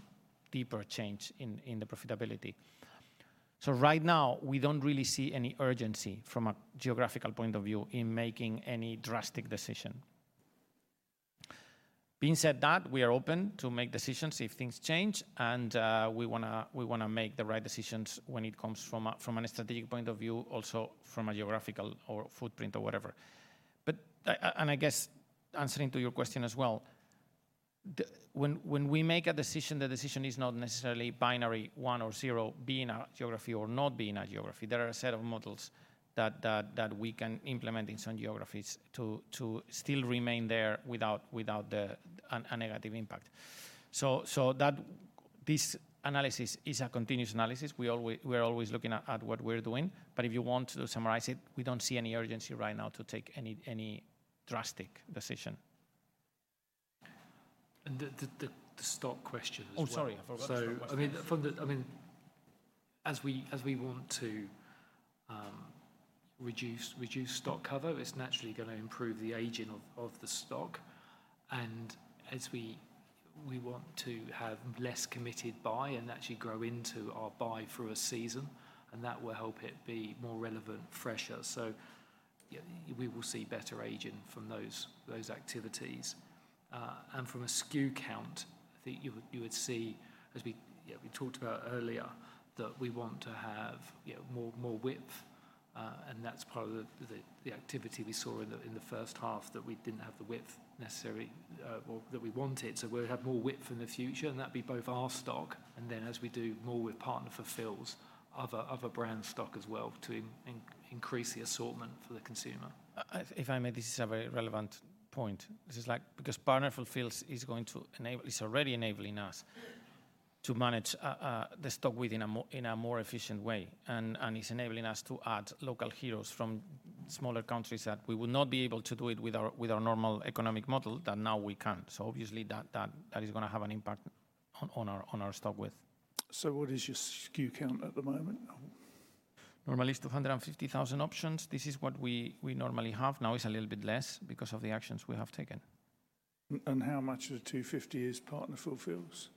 deeper change in the profitability. Right now, we don't really see any urgency from a geographical point of view in making any drastic decision. Being said that, we are open to make decisions if things change, and we wanna make the right decisions when it comes from a strategic point of view, also from a geographical or footprint or whatever. I guess answering to your question as well, when we make a decision, the decision is not necessarily binary, 1 or 0, being a geography or not being a geography. There are a set of models that we can implement in some geographies to still remain there without a negative impact. This analysis is a continuous analysis. We are always looking at what we're doing. If you want to summarize it, we don't see any urgency right now to take any drastic decision. The stock question as well. Oh, sorry. I forgot about that. I mean, as we want to reduce stock cover, it's naturally going to improve the aging of the stock. As we want to have less committed buy and actually grow into our buy through a season, and that will help it be more relevant, fresher. Yeah, we will see better aging from those activities. From a SKU count, I think you would see, as we, yeah, we talked about earlier, that we want to have, you know, more width. That's part of the activity we saw in the first half that we didn't have the width necessary or that we wanted. We'll have more width in the future, and that'd be both our stock, and then as we do more with Partner Fulfils, other brand stock as well to increase the assortment for the consumer. If I may, this is a very relevant point. This is like, because Partner Fulfils is going to enable, it's already enabling us to manage the stock in a more efficient way. it's enabling us to add local heroes from smaller countries that we would not be able to do it with our normal economic model that now we can. obviously that is gonna have an impact on our stock width. What is your SKU count at the moment? Normally it's 250,000 options. This is what we normally have. Now it's a little bit less because of the actions we have taken. How much of the 250 is Partner Fulfils?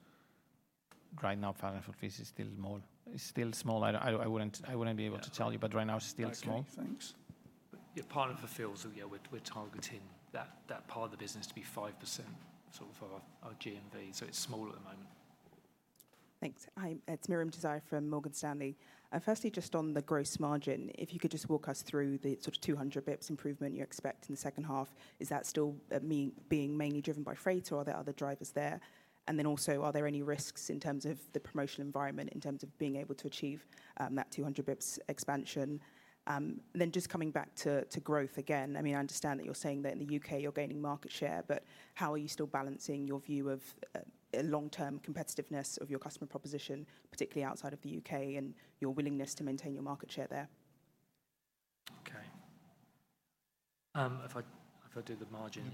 Right now, Partner Fulfils is still small. It's still small. I wouldn't be able to tell you, but right now it's still small. Okay, thanks. Yeah, Partner Fulfils, yeah, we're targeting that part of the business to be 5% sort of our GMV. It's small at the moment. Thanks. Hi, it's Miriam Josiah from Morgan Stanley. Firstly, just on the gross margin, if you could just walk us through the sort of 200 bps improvement you expect in the second half. Is that still being mainly driven by freight, or are there other drivers there? Also, are there any risks in terms of the promotional environment in terms of being able to achieve that 200 bps expansion? Just coming back to growth again, I mean, I understand that you're saying that in the UK you're gaining market share, but how are you still balancing your view of long-term competitiveness of your customer proposition, particularly outside of the UK, and your willingness to maintain your market share there? Okay. if I. Yeah.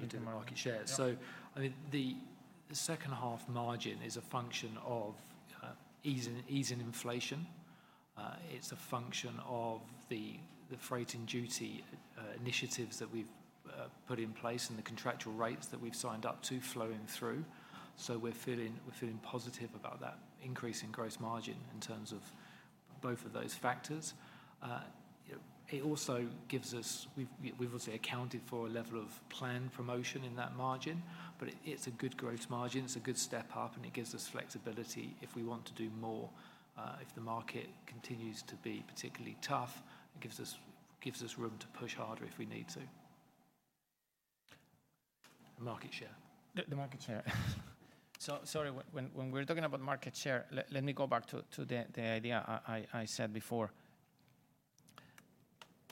you do market share. Yeah. I mean, the second half margin is a function of easing inflation. It's a function of the freight and duty initiatives that we've put in place and the contractual rates that we've signed up to flowing through. We're feeling, we're feeling positive about that increase in gross margin in terms of both of those factors. It also gives us. We've, we've obviously accounted for a level of planned promotion in that margin, but it's a good growth margin. It's a good step up, and it gives us flexibility if we want to do more, if the market continues to be particularly tough. It gives us room to push harder if we need to. Market share. The market share. Sorry, when we're talking about market share, let me go back to the idea I said before.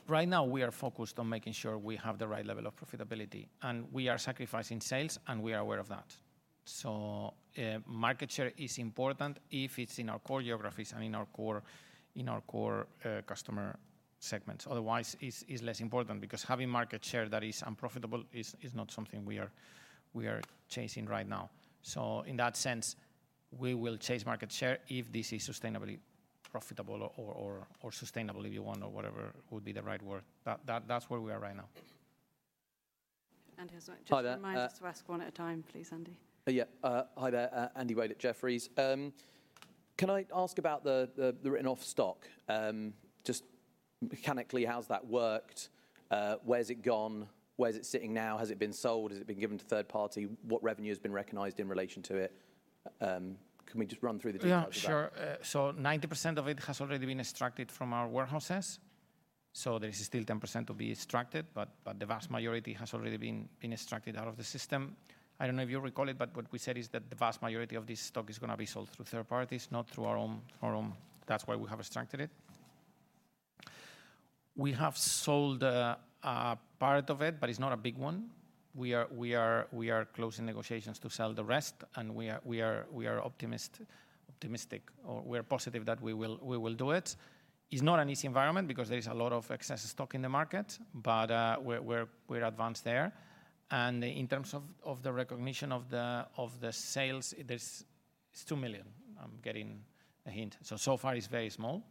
Right now we are focused on making sure we have the right level of profitability, and we are sacrificing sales, and we are aware of that. Market share is important if it's in our core geographies and in our core customer segments. Otherwise, it's less important because having market share that is unprofitable is not something we are chasing right now. In that sense, we will chase market share if this is sustainably profitable or sustainable, if you want, or whatever would be the right word. That's where we are right now. And just- Hi there. remind us to ask one at a time, please, Andy. Yeah. Hi there. Andy Wade at Jefferies. Can I ask about the written-off stock? Just mechanically, how's that worked? Where's it gone? Where's it sitting now? Has it been sold? Has it been given to third party? What revenue has been recognized in relation to it? Can we just run through the details of that? Yeah, sure. 90% of it has already been extracted from our warehouses. There is still 10% to be extracted, but the vast majority has already been extracted out of the system. I don't know if you recall it, but what we said is that the vast majority of this stock is gonna be sold through third parties, not through our own. That's why we have extracted it. We have sold a part of it, but it's not a big one. We are closing negotiations to sell the rest, and we are optimistic or we're positive that we will do it. It's not an easy environment because there is a lot of excess stock in the market, but we're advanced there. In terms of the recognition of the sales, it's 2 million. I'm getting a hint. So far it's very small.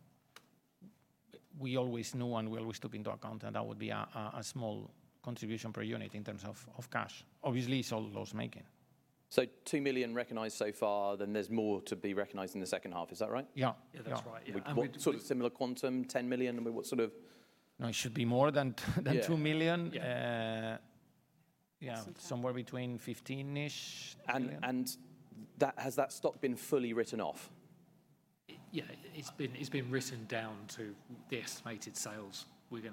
We always know and we always took into account that that would be a small contribution per unit in terms of cash. Obviously, it's all loss-making. 2 million recognized so far, then there's more to be recognized in the second half. Is that right? Yeah. Yeah, that's right. Yeah. Sort of similar quantum, 10 million? I mean, what sort of- No, it should be more than 2 million. Yeah. Yeah. Somewhere between 15-ish million. and that, has that stock been fully written off? Yeah. It's been written down to the estimated sales.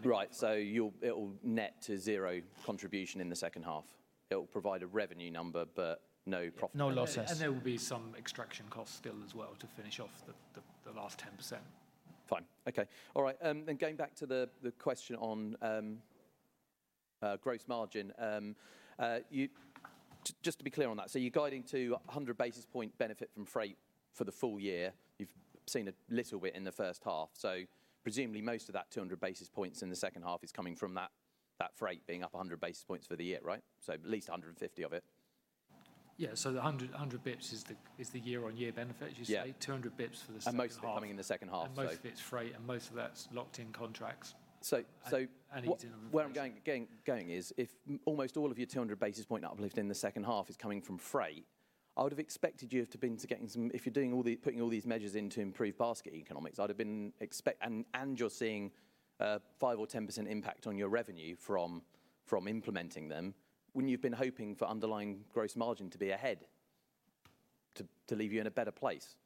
Right. It'll net to 0 contribution in the second half. It'll provide a revenue number, but no profit. No losses. There will be some extraction costs still as well to finish off the last 10%. Fine. Okay. All right. Going back to the question on gross margin. Just to be clear on that, you're guiding to a 100 basis point benefit from freight for the full year. You've seen a little bit in the first half. Presumably most of that 200 basis points in the second half is coming from that freight being up 100 basis points for the year, right? At least 150 of it. Yeah. The 100 basis points is the year-on-year benefit, you say? Yeah. 200 bps for the second half. Most of it coming in the second half. Most of it's freight, and most of that's locked-in contracts. So, so- Easy numbers.... where I'm going, getting going is if almost all of your 200 basis point uplift in the second half is coming from freight, I would've expected you to have been to getting some... If you're doing putting all these measures in to improve basket economics, And you're seeing a 5% or 10% impact on your revenue from implementing them, wouldn't you have been hoping for underlying gross margin to be ahead to leave you in a better place?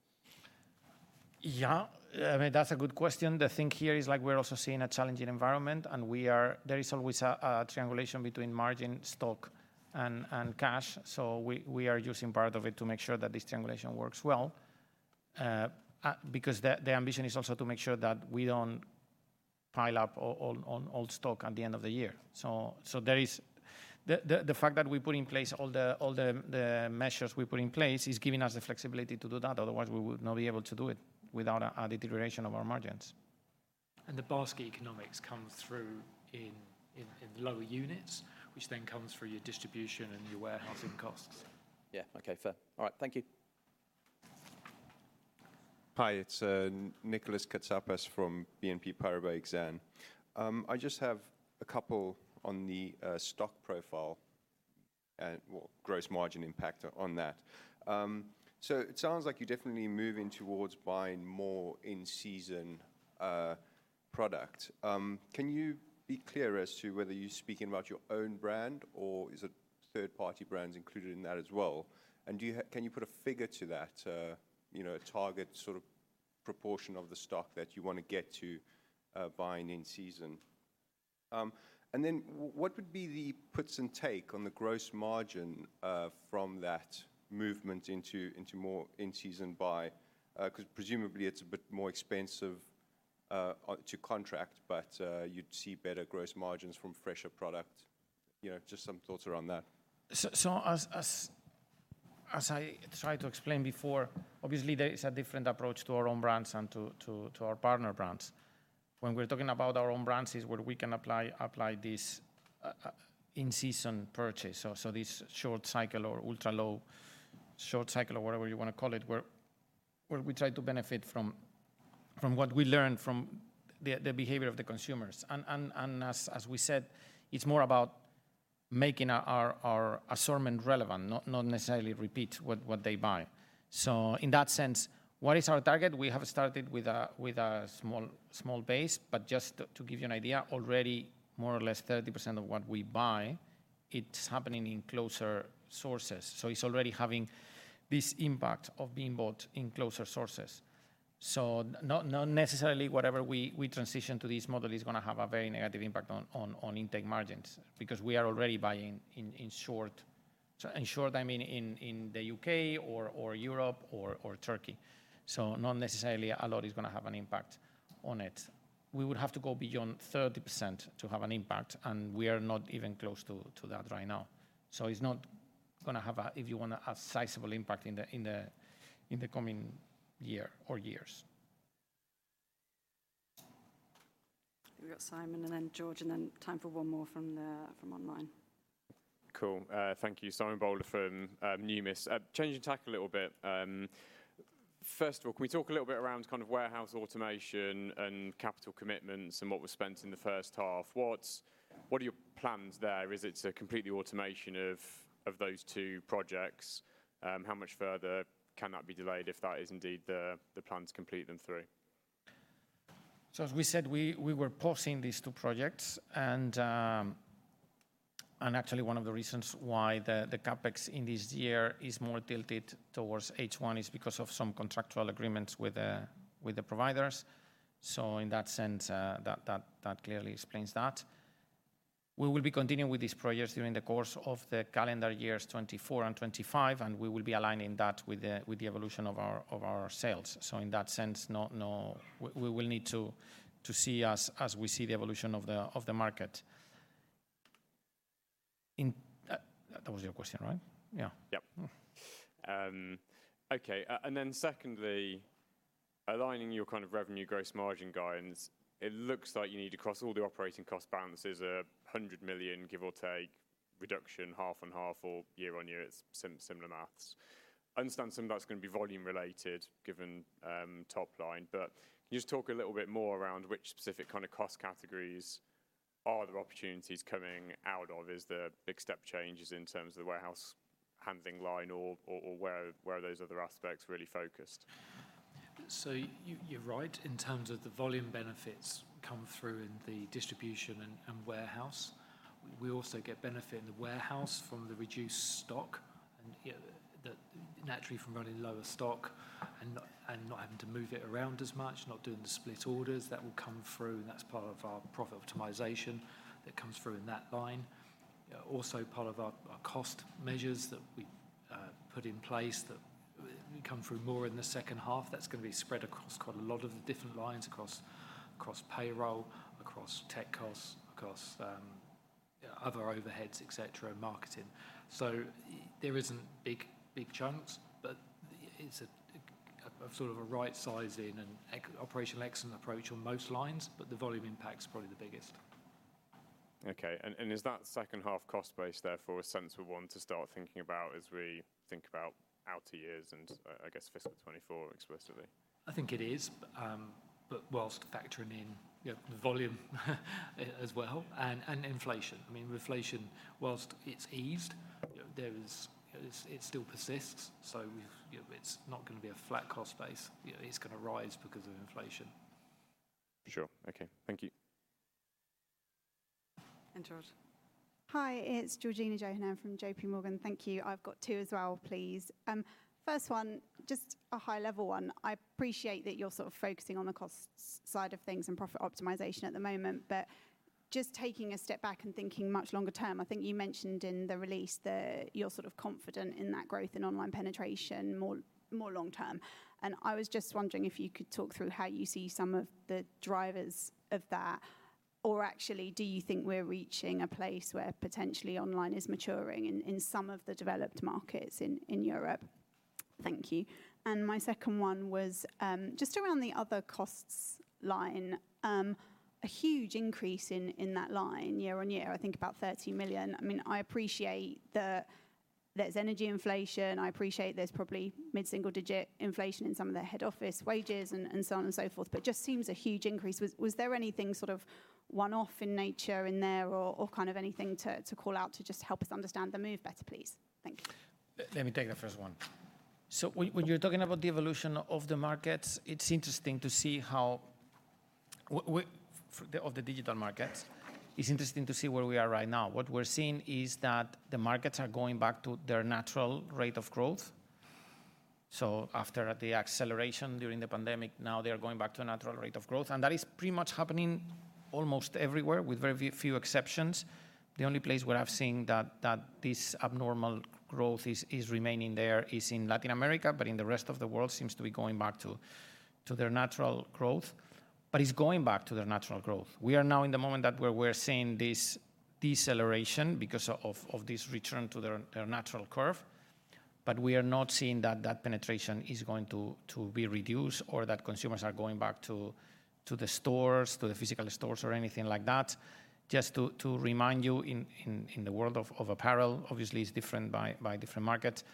Yeah. I mean, that's a good question. The thing here is, like, we're also seeing a challenging environment. There is always a triangulation between margin, stock, and cash. We are using part of it to make sure that this triangulation works well because the ambition is also to make sure that we don't pile up on old stock at the end of the year. There is the fact that we put in place all the measures we put in place is giving us the flexibility to do that. Otherwise, we would not be able to do it without a deterioration of our margins. The basket economics come through in lower units, which then comes through your distribution and your warehousing costs. Yeah. Okay, fair. All right. Thank you. Hi, it's Nicolas Katsapas from BNP Paribas Exane. I just have a couple on the stock profile and gross margin impact on that. It sounds like you're definitely moving towards buying more in-season product. Can you be clear as to whether you're speaking about your own brand or is it third-party brands included in that as well? Do you can you put a figure to that, you know, a target sort of proportion of the stock that you wanna get to buying in season? What would be the puts and take on the gross margin from that movement into more in-season buy? 'Cause presumably it's a bit more expensive to contract, but you'd see better gross margins from fresher product. You know, just some thoughts around that. As I tried to explain before, obviously there is a different approach to our own brands and to our partner brands. When we're talking about our own brands is where we can apply this in-season purchase. This short cycle or ultra-low short cycle or whatever you wanna call it, where we try to benefit from what we learn from the behavior of the consumers. As we said, it's more about making our assortment relevant, not necessarily repeat what they buy. In that sense, what is our target? We have started with a small base, but just to give you an idea, already more or less 30% of what we buy, it's happening in closer sources. It's already having this impact of being bought in closer sources. Not necessarily whatever we transition to this model is gonna have a very negative impact on intake margins, because we are already buying in short. In short, I mean in the UK or Europe or Turkey. Not necessarily a lot is gonna have an impact on it. We would have to go beyond 30% to have an impact, and we are not even close to that right now. It's not gonna have a, if you want, a sizable impact in the coming year or years. We've got Simon and then George, and then time for one more from the, from online. Cool. Thank you. Simon Bowler from Numis. Changing tack a little bit, first of all, can we talk a little bit around kind of warehouse automation and capital commitments and what was spent in the first half? What are your plans there? Is it a complete automation of those two projects? How much further can that be delayed if that is indeed the plan to complete them through? As we said, we were pausing these two projects. Actually one of the reasons why the capex in this year is more tilted towards H1 is because of some contractual agreements with the providers. In that sense, that clearly explains that. We will be continuing with these projects during the course of the calendar years 2024 and 2025. We will be aligning that with the evolution of our sales. In that sense, no, we will need to see as we see the evolution of the market. In, that was your question, right? Yeah. Yep. Okay. Then secondly, aligning your kind of revenue gross margin guidance, it looks like you need to cross all the operating cost balances, 100 million, give or take, reduction half on half or year on year. It's similar maths. I understand some of that's gonna be volume related given top line, but can you just talk a little bit more around which specific kind of cost categories are there opportunities coming out of? Is the big step changes in terms of the warehouse handling line or where are those other aspects really focused? You, you're right. In terms of the volume benefits come through in the distribution and warehouse. We also get benefit in the warehouse from the reduced stock and, you know, that naturally from running lower stock and not having to move it around as much, not doing the split orders that will come through, and that's part of our profit optimization that comes through in that line. Also part of our cost measures that we put in place that will come through more in the second half. That's gonna be spread across quite a lot of the different lines across payroll, across tech costs, across other overheads, et cetera, and marketing. There isn't big chunks, but it's a sort of a right sizing and operational excellence approach on most lines, but the volume impact's probably the biggest. Okay. Is that second half cost base therefore a sensible one to start thinking about as we think about out years and I guess fiscal 2024 explicitly? I think it is. Whilst factoring in, you know, the volume as well, and inflation. I mean, with inflation, whilst it's eased, you know, there is, it still persists. We've, you know, it's not gonna be a flat cost base. You know, it's gonna rise because of inflation. Sure. Okay. Thank you. George. Hi, it's Georgina Johanan from J.P. Morgan. Thank you. I've got two as well, please. First one, just a high level one. I appreciate that you're sort of focusing on the cost side of things and profit optimization at the moment, but just taking a step back and thinking much longer term, I think you mentioned in the release that you're sort of confident in that growth in online penetration more long term. I was just wondering if you could talk through how you see some of the drivers of that, or actually, do you think we're reaching a place where potentially online is maturing in some of the developed markets in Europe? Thank you. My second one was just around the other costs line. A huge increase in that line year on year, I think about 30 million. I mean, I appreciate that there's energy inflation, I appreciate there's probably mid-single digit % inflation in some of the head office wages and so on and so forth, but just seems a huge increase. Was there anything sort of one-off in nature in there or kind of anything to call out to just help us understand the move better, please? Thank you. Let me take the first one. When you're talking about the evolution of the markets, it's interesting to see how of the digital markets, it's interesting to see where we are right now. What we're seeing is that the markets are going back to their natural rate of growth. After the acceleration during the pandemic, now they are going back to a natural rate of growth. That is pretty much happening almost everywhere with very few exceptions. The only place where I've seen that this abnormal growth is remaining there is in Latin America. In the rest of the world seems to be going back to their natural growth. It's going back to their natural growth. We are now in the moment that where we're seeing this deceleration because of this return to their natural curve. We are not seeing that penetration is going to be reduced or that consumers are going back to the stores, to the physical stores or anything like that. Just to remind you in the world of apparel, obviously it's different by different markets.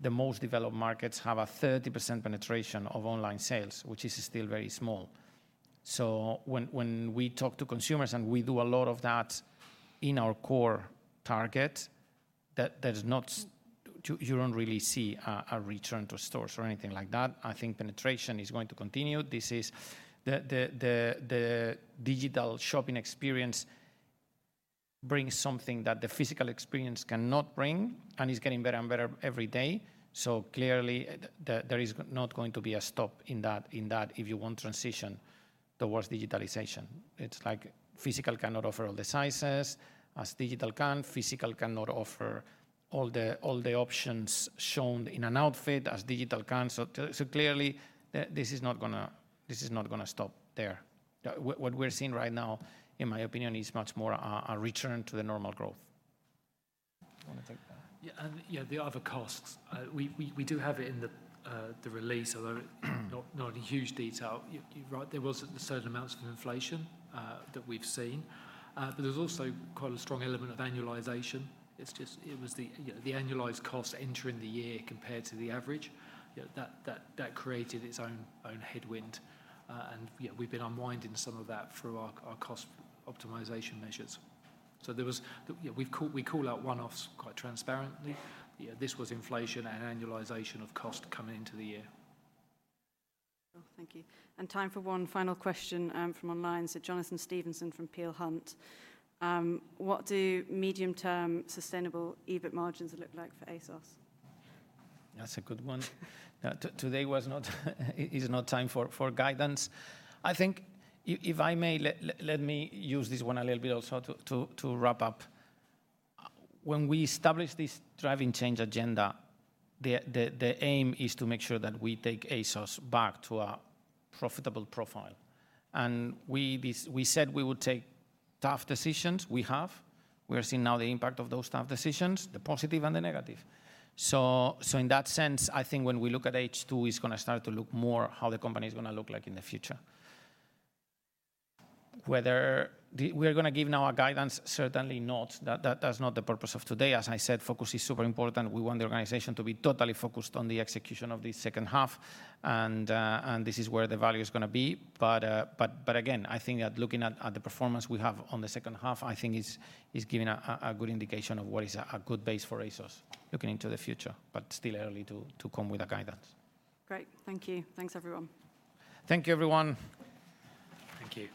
The most developed markets have a 30% penetration of online sales, which is still very small. When we talk to consumers, and we do a lot of that in our core target, that there's not You don't really see a return to stores or anything like that. I think penetration is going to continue. This is the digital shopping experience brings something that the physical experience cannot bring, and is getting better and better every day. Clearly, there is not going to be a stop in that if you want transition towards digitalization. It's like physical cannot offer all the sizes as digital can. Physical cannot offer all the options shown in an outfit as digital can. Clearly, this is not gonna stop there. What we're seeing right now, in my opinion, is much more a return to the normal growth. I want to take that. The other costs. We do have it in the release, although not in huge detail. You're right, there was certain amounts of inflation that we've seen. There was also quite a strong element of annualization. It's just, it was the, you know, the annualized cost entering the year compared to the average. You know, that created its own headwind. We've been unwinding some of that through our cost optimization measures. There was. We call out one-offs quite transparently. This was inflation and annualization of cost coming into the year. Thank you. time for one final question from online. John Stevenson from Peel Hunt. What do medium-term sustainable EBIT margins look like for ASOS? That's a good one. Today is not time for guidance. I think if I may, let me use this one a little bit also to wrap up. When we established this Driving Change agenda, the aim is to make sure that we take ASOS back to a profitable profile. We said we would take tough decisions, we have. We are seeing now the impact of those tough decisions, the positive and the negative. In that sense, I think when we look at H2, it's gonna start to look more how the company is gonna look like in the future. Whether we're gonna give now a guidance, certainly not. That's not the purpose of today. As I said, focus is super important. We want the organization to be totally focused on the execution of the second half. This is where the value is going to be. Again, I think that looking at the performance we have on the second half, I think is giving a good indication of what is a good base for ASOS looking into the future, but still early to come with a guidance. Great. Thank you. Thanks, everyone. Thank you, everyone. Thank you.